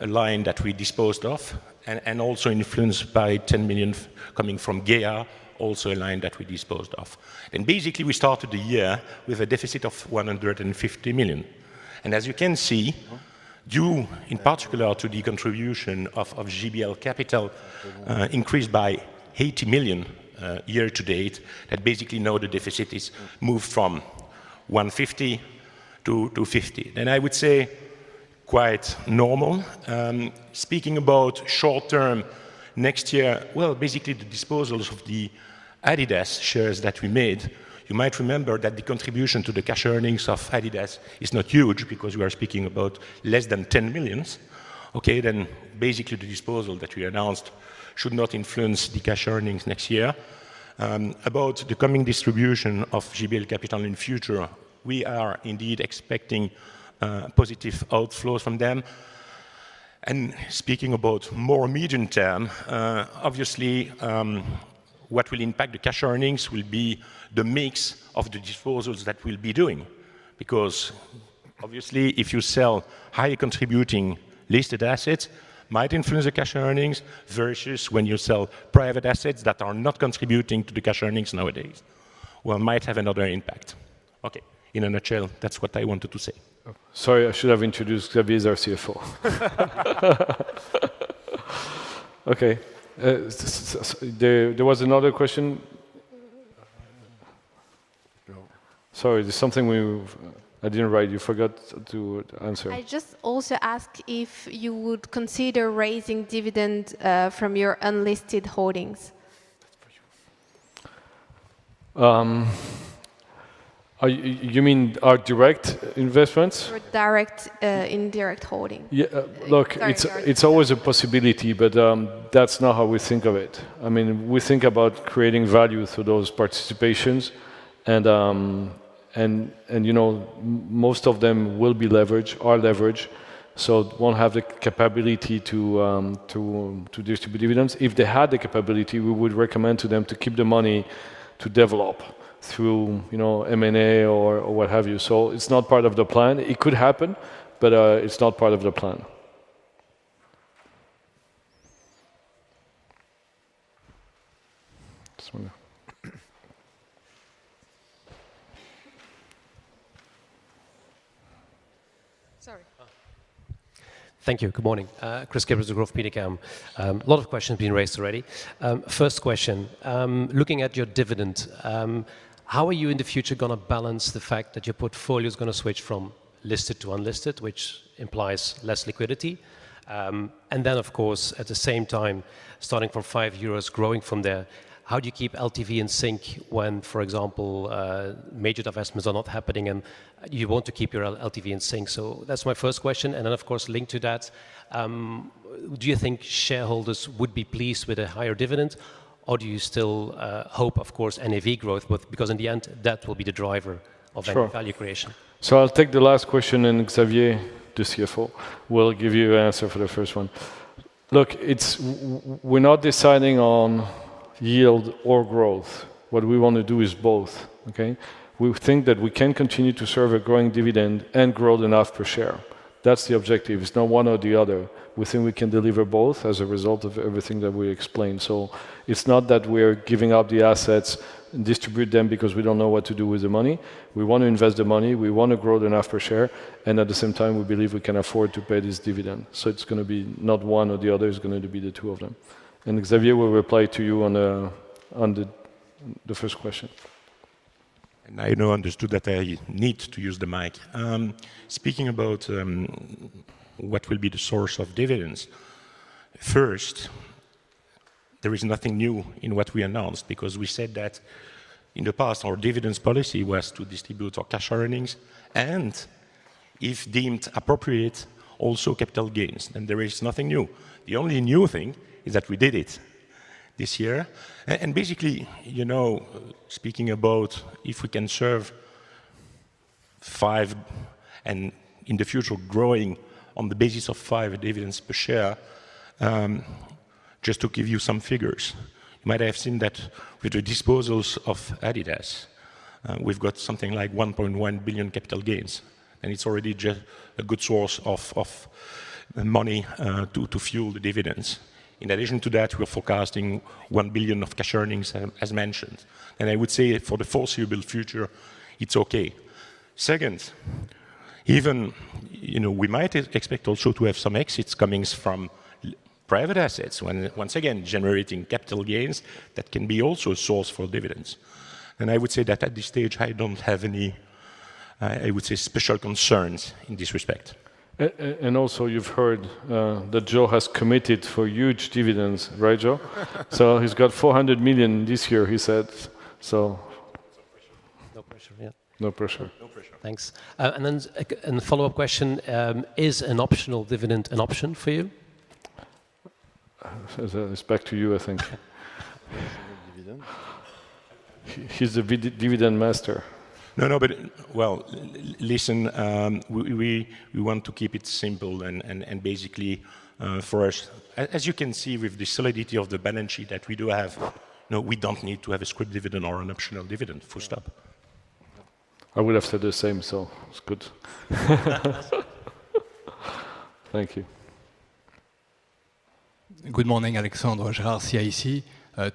line that we disposed of and also influenced by 10 million coming from GEA, also a line that we disposed of and basically we started the year with a deficit of 150 million and as you can see due in particular to the contribution of GBL Capital increased by 80 million year to date that basically now the deficit is move from 150 million-250 million. Then I would say quite normal speaking about short term next year. Basically the disposals of the Adidas shares that we made, you might remember that the contribution to the cash earnings of Adidas is not huge because we are speaking about less than 10 million. Okay then basically the disposal that we announced should not influence the cash earnings next year about the coming distribution of GBL capital in future. We are indeed expecting positive outflows from them. Speaking about more medium term, obviously what will impact the cash earnings will be the mix of the disposals that we'll be doing. Because obviously if you sell high contributing listed assets might influence the cash earnings versus when you sell private assets that are not contributing to the cash earnings nowadays. It might have another impact. Okay, in a nutshell, that's what I wanted to say. Sorry, I should have introduced Xavier as our CFO. Okay, there was another question. Sorry, there's something I didn't write. You forgot to answer. I just also asked if you would consider raising dividend from your unlisted holdings? You mean our direct investments? Indirect holding? Look, it's always a possibility, but that's not how we think of it. I mean, we think about creating value through those participations and, you know, most of them will be leveraged, are leveraged, so won't have the capability to distribute dividends. If they had the capability, we would recommend to them to keep the money to develop through M&A or what have you. So it's not part of the plan. It could happen, but it's not part of the plan. Sorry. Thank you. Good morning. Kris Kippers, Degroof Petercam. A lot of questions being raised already. First question, looking at your dividend, how are you in the future going to balance the fact that your portfolio is going to switch from listed to unlisted, which implies less liquidity. And then, of course, at the same time, starting from €5, growing from there, how do you keep LTV in sync when, for example, major divestments are not happening and you want to keep your LTV in sync? So that's my first question. And then of course, linked to that. Do you think shareholders would be pleased with a higher dividend or do you still hope, of course, NAV growth, because in the end, that will be the driver of value creation. So I'll take the last question and Xavier, the CFO, will give you an answer for the first one. Look, we're not deciding on yield or growth. What we want to do is both. Okay? We think that we can continue to serve a growing dividend and grow NAV per share. That's the objective. It's not one or the other. We think we can deliver both as a result of everything that we explained. So it's not that we're giving up the assets, distribute them, because we don't know what to do with the money. We want to invest the money, we want to grow the NAV per share, and at the same time, we believe we can afford to pay this dividend. So it's kind of going to be not one or the other is going to be the two of them. And Xavier will reply to you on the first question. I now understand that I need to use the mic. Speaking about what will be the source of dividends first, there is nothing new in what we announced because we said that in the past our dividends policy was to distribute our cash earnings and if deemed appropriate, also capital gains. There is nothing new. The only new thing is that we did it this year and basically, you know, speaking about if we can sustain five and in the future growing on the basis of five dividends per share, just to give you some figures, you might have seen that with the disposals of Adidas, we've got something like 1.1 billion capital gains. And it's already just a good source of money to fuel the dividends. In addition to that, we're forecasting 1 billion of cash earnings as mentioned. I would say for the foreseeable future, it's okay. Second, even, you know, we might expect also to have some exits coming from private assets, once again generating capital gains that can be also a source for dividends. I would say that at this stage I don't have any, I would say special concerns in this respect. And also, you've heard that Joe has committed to huge dividends. Right, Joe. So he's got 400 million this year, he said. So. No pressure. Yeah No pressure, no pressure. Thanks. And then follow-up question. Is an optional dividend an option for you? With respect to you. I think he's the dividend master. No, no, but well, listen, we want to keep it simple and basically for us, as you can see with the solidity of the balance sheet that we do have. No, we don't need to have a scrip dividend or an optional dividend, full stop. I would have said the same. So it's good. Thank you. Good morning, Alexandre Gérard CIC.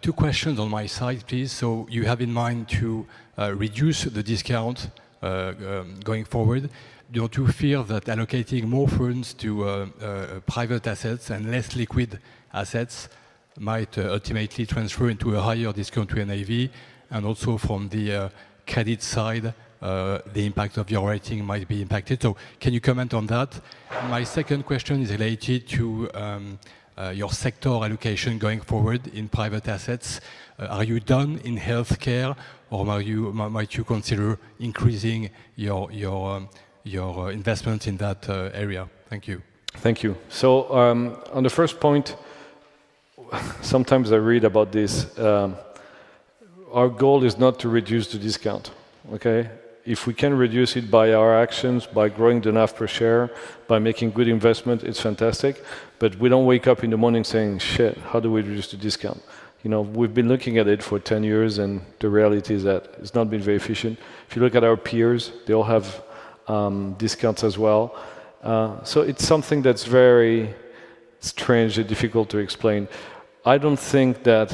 Two questions on my side, please. So you have in mind to reduce the discount going forward? Don't you fear that allocating more funds to private assets and less liquid assets might ultimately transfer into a higher discount to NAV? And also from the credit side, the impact of your rating might be impacted. So can you comment on that? My second question is related to your sector allocation going forward in private assets. Are you done in health care or might you consider increasing your investments in that area? Thank you. Thank you. So on the first point, sometimes I read about this. Our goal is not to reduce the discount, okay? If we can reduce it by our actions, by growing the NAV per share, by making good investment, it's fantastic. But we don't wake up in the morning saying, shit, how do we reduce the discount? You know, we've been looking at it for 10 years and the reality is that it's not been very efficient. If you look at our peers, they all have discounts as well. So it's something that's very strange and difficult to explain. I don't think that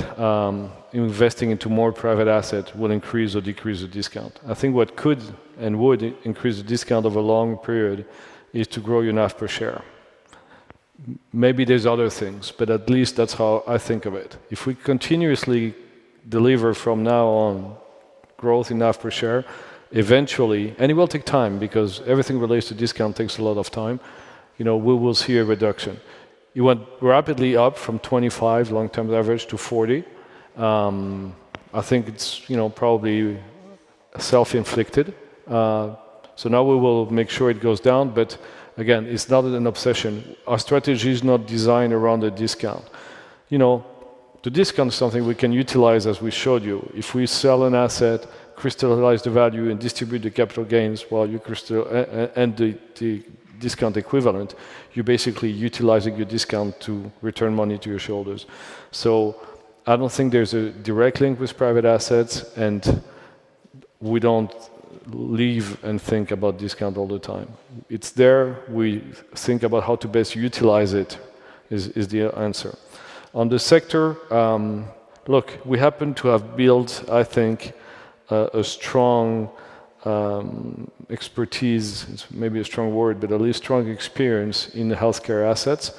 investing into more private assets will increase or decrease the discount. I think what could and would increase the discount over a long period is to grow enough per share. Maybe there's other things but at least that's how I think of it. If we continuously deliver from now on growth enough per share eventually, and it will take time because everything relates to discount takes a lot of time, you know, we will see a reduction. It went rapidly up from 25% long-term average to 40%. I think it's, you know, probably self-inflicted. So now we will make sure it goes down. But again it's not an obsession. Our strategy is not designed around a discount. You know, the discount something we can utilize as we showed you. If we sell an asset, crystallize the value and distribute the capital gains whilst you crystallize and the discount equivalent, you basically utilize a good discount to return money to your shareholders. So I don't think there's a direct link with private assets and we don't live and think about discount all the time. It's there. We think about how to best utilize it. Is the answer on the sector? Look, we happen to have built I think a strong expertise, maybe a strong word but at least strong experience in the healthcare assets.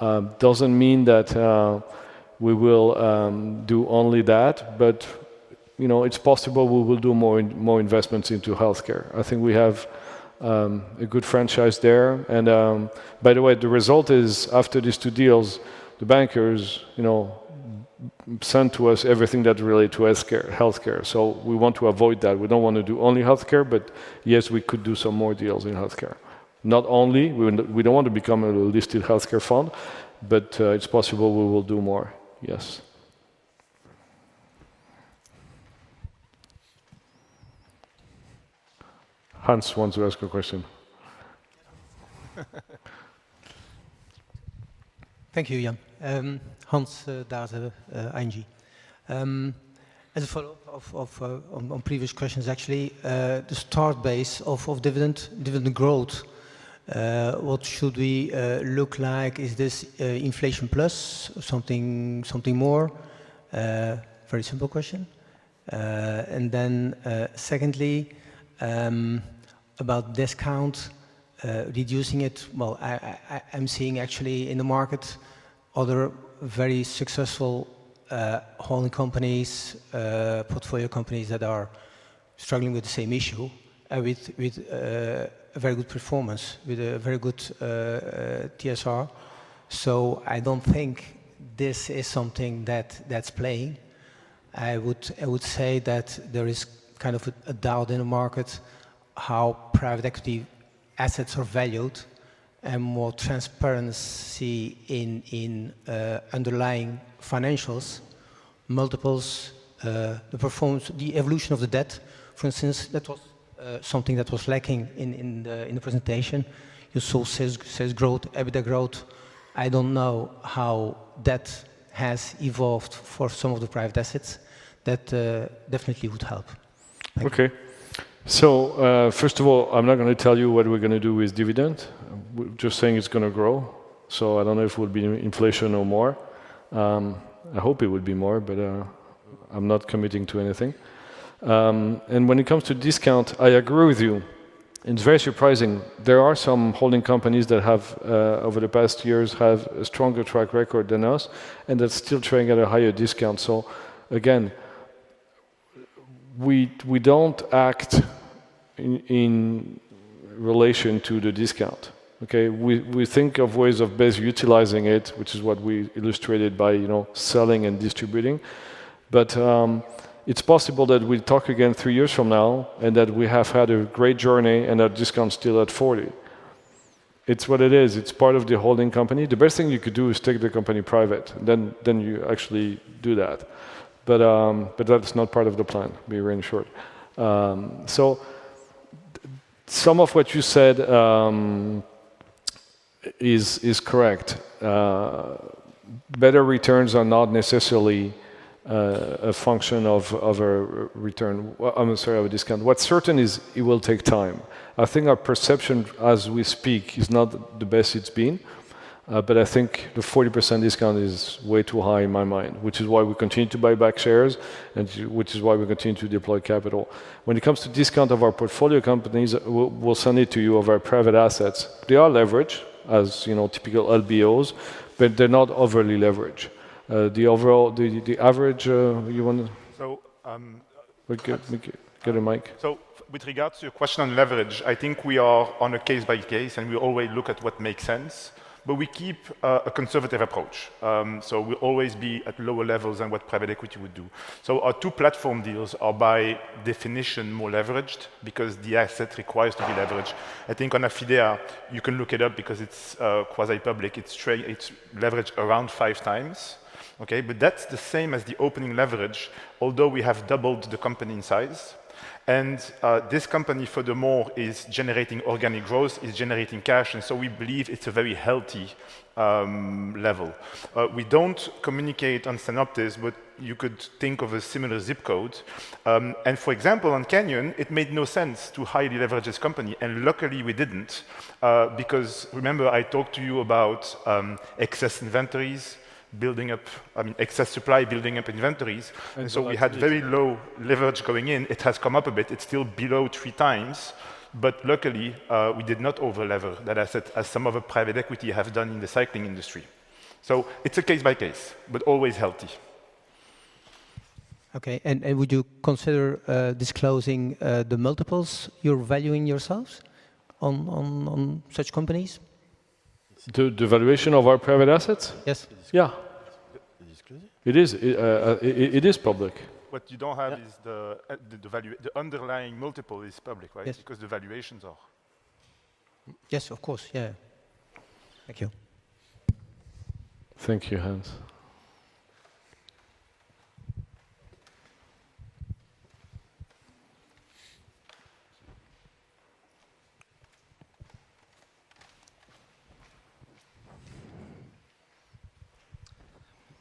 It doesn't mean that we will do only that. But you know it's possible we will do more investments into healthcare. I think we have a good franchise there. And by the way the result is after these two deals the bankers, you know send to us everything that relates to health care. So we want to avoid that. We don't want to do only health care. But yes, we could do some more deals in healthcare. Not only we don't want to become a listed healthcare fund but it's possible we will do more. Yes, Hans wants to ask a question. Thank you, Ian. Hans D'Haese ING. A follow-up on previous questions, actually the starting base of dividend growth. What should it look like? Is this inflation plus something, something more? Very simple question. Then secondly about discount, reducing it. Well, I'm seeing actually in the market other very successful holding companies, portfolio companies that are struggling with the same issue with very good performance with a very good TSR. So I don't think this is something that's playing. I would say that there is kind of a doubt in the market how private equity assets are valued and more transparency in underlying financials, multiples, the performance, the evolution of the debt for instance that was something that was lacking in the presentation. You saw sales growth, EBITDA growth. I don't know how that has evolved for some of the private assets. That definitely would help. Okay, so first of all, I'm not going to tell you what we're going to do with dividend. We're just saying it's going to grow. So I don't know if it will be inflation or more. I hope it would be more, but I'm not committing to anything. And when it comes to discount, I agree with you, it's very surprising. There are some holding companies that over the past years have a stronger track record than us and they're still trading at a higher discount. So again, we don't act in relation to the discount. Okay. We think of ways of best utilizing it, which is what we illustrated by selling and distributing. But it's possible that we'll talk again three years from now and that we have had a great journey. And that discount still at 40, it's what it is. It's part of the holding company. The best thing you could do is take the company private. Then you actually do that. But that's not part of the plan we envisioned. So some of what you said is correct. Better returns are not necessarily a function of a return. I'm sorry? Of a discount, what's certain is it will take time. I think our position as we speak is not the best it's been, but I think the 40% discount is way too high in my mind, which is why we continue to buy back shares, which is why we continue to deploy capital. When it comes to discount of our portfolio companies, we'll send it to you. Of our private assets, they are leveraged as typical LBOs, but they're not overly leveraged. The overall, the average, you want to get a mic. So with regards to your question on leverage, I think we are on a case-by-case basis and we always look at what makes sense, but we keep a conservative approach so we'll always be at lower levels than what private equity would do. So our two platform deals are by definition more leveraged because the asset requires to be leveraged. I think on Affidea you can look it up because it's quasi-public, it's leveraged around five times. Okay, but that's the same as the opening leverage, although we have doubled the company in size. And this company furthermore is generating organic growth, is generating cash. And so we believe it's a very healthy level. We don't communicate on Sanoptis, but you could think of a similar zip code and for example, on Canyon, it made no sense to highly leverage this company and luckily we didn't because remember I talked to you about excess inventories, building up excess supply building up inventories. We had very low leverage going in. It has come up a bit, it's still below three times. Luckily we did not overleverage that asset as some private equity have done in the cycling industry. It's a case-by-case, but always healthy. Okay, and would you consider disclosing the multiples you're valuing yourselves on such companies? The valuation of our private assets? Yes, yeah, It is, it is public. What you don't have is the underlying multiple is public. Right, because the valuations are. Yes, of course. Yeah. Thank you. Thank you, Hans.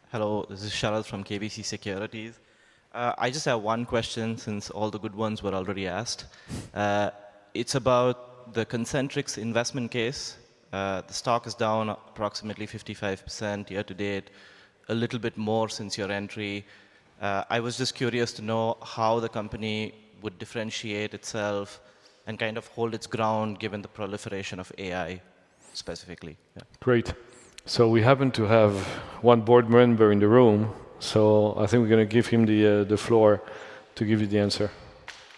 Hello, this is Sharad from KBC Securities. I just have one question since all the good ones were already asked. It's about the Concentrix investment case. The stock is down approximately 55% year to date. A little bit more since your entry. I was just curious to know how the company would differentiate itself and kind of hold its ground given the proliferation of AI specifically. Great. So we happen to have one board member in the room, so I think we're going to give him the floor to give you the answer.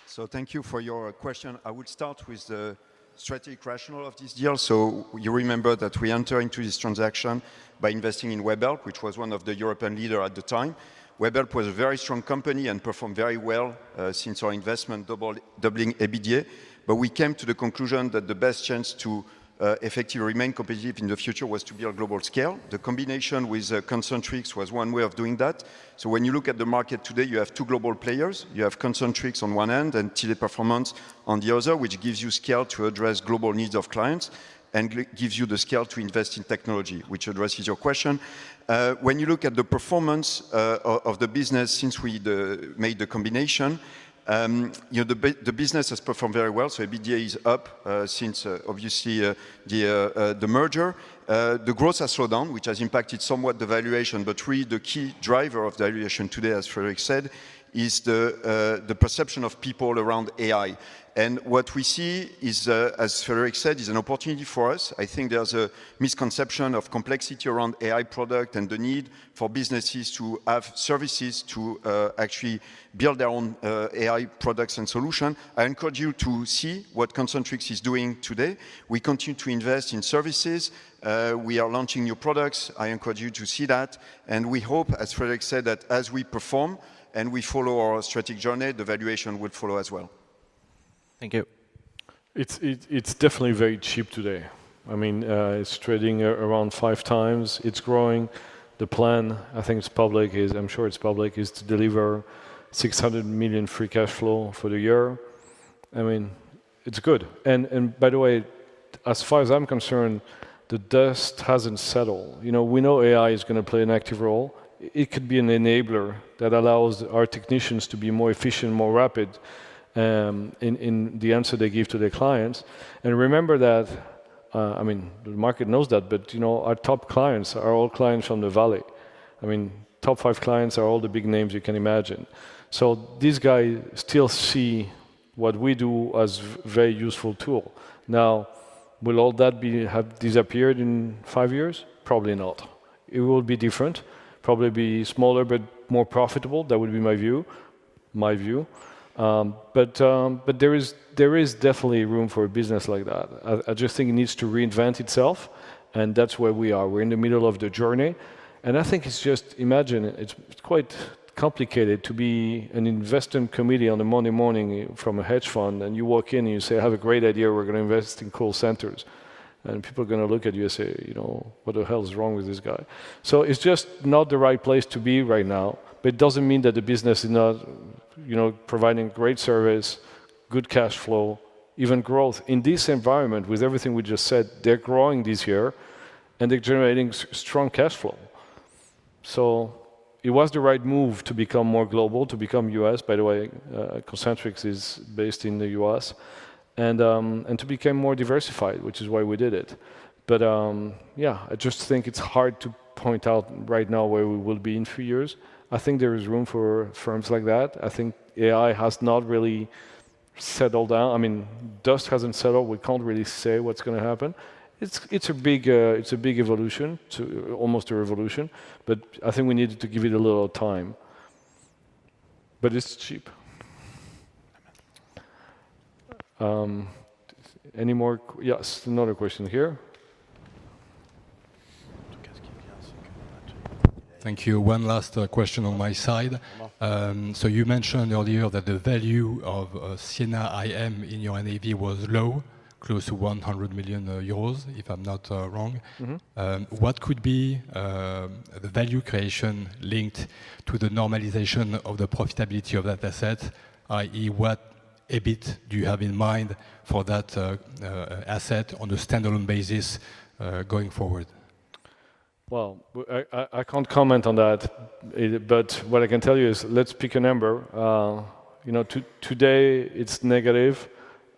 So thank you for your question. I would start with the strategic rationale of this deal. So you remember that we enter into this transaction by investing in Webhelp, which was one of the European leaders at the time we bought, was a very strong company and performed very well since our investment, doubling EBITDA. But we came to the conclusion that the best chance to effectively remain competitive in the future was to be on a global scale. The combination with Concentrix was one way of doing that. So when you look at the market today, you have two global players, you have Concentrix on one end and Teleperformance on the other, which gives you scale to address global needs of clients and gives you the scale to invest in technology. Which addresses your question. When you look at the performance of the business since we made the combination, the business has performed very well, so EBITDA is up since obviously the merger, the growth has slowed down, which has impacted somewhat the valuation. But really the key driver of valuation today, as Frédéric said, is the perception of people around AI, and what we see is, as Frédéric said, is an opportunity for us. I think there's a misconception of complexity around AI product and the need for businesses to have services to actually build their own AI products and solution. I encourage you to see what Concentrix is doing today, we continue to invest in services. We are launching new products. I encourage you to see that, and we hope, as Frédéric said, that as we perform and we follow our strategic journey, the valuation would follow as well. Thank you. It's definitely very cheap today. I mean, it's trading around five times, it's growing. The plan, I think it's public, I'm sure it's public, is to deliver 600 million free cash flow for the year. I mean, it's good, and by the way, as far as I'm concerned, the dust hasn't settled. We know AI is going to play an active role. It could be an enabler that allows our technicians to be more efficient, more rapid in the answer they give to their clients, and remember that. I mean, the market knows that, but our top clients are all clients from the Valley. I mean, top five clients are all the big names you can imagine. So these guys still see what we do as very useful tool. Now, will all that have disappeared in five years? Probably not. It will be different, probably be smaller, but more profitable. That would be my view. My view. But there is definitely room for a business like that. I just think it needs to reinvent itself and that's where we are. We're in the middle of the journey and I think it's just, imagine, it's quite complicated to be an investment committee on the Monday morning from a hedge fund and you walk in and you say, I have a great idea. We're going to invest in call centers and people are going to look at you and say, what the hell is wrong with this guy? So it's just not the right place to be right now. But it doesn't mean that the business is not providing great service, good cash flow, even growth in this environment, with everything we just said, they're growing this year and they're generating strong cash flow. So it was the right move to become more global, to become U.S. By the way, Concentrix is based in the U.S. and to become more diversified, which is why we did it. But yeah, I just think it's hard to point out right now where we will be in few years. I think there is room for firms like that. I think AI has not really settled down. I mean, dust hasn't settled. We can't really say what's going to happen. It's a big evolution, almost a revolution, but I think we needed to give it a little time. But it's cheap. Any more? Yes. Another question here. Thank you. One last question on my side, so you mentioned earlier that the value of Sienna IM in your NAV was low, close to 100 million euros, if I'm not wrong. What could be the value creation linked to the normalization of the profitability of that asset? That is, what EBIT do you have in mind for that asset on a standalone basis going forward? I can't comment on that, but what I can tell you is let's pick a number. You know, today it's negative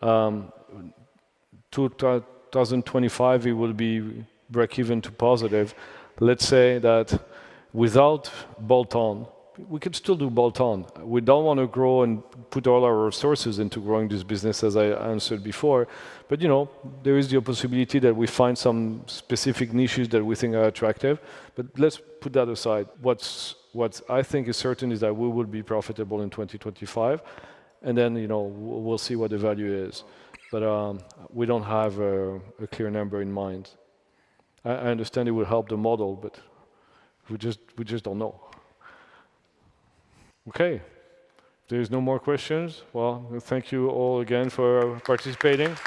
2025. It will be breakeven to positive. Let's say that without bolt-on, we could still do bolt-on. We don't want to grow and put all our resources into growing this business, as I answered before. But you know, there is the possibility that we find some specific niches that we think are attractive. But let's put that aside. What I think is certain is that we will be profitable in 2025 and then we'll see what the value is. But we don't have a clear number in mind. I understand it will help the model, but we just don't know. Okay, there's no more questions. Thank you all again for participating.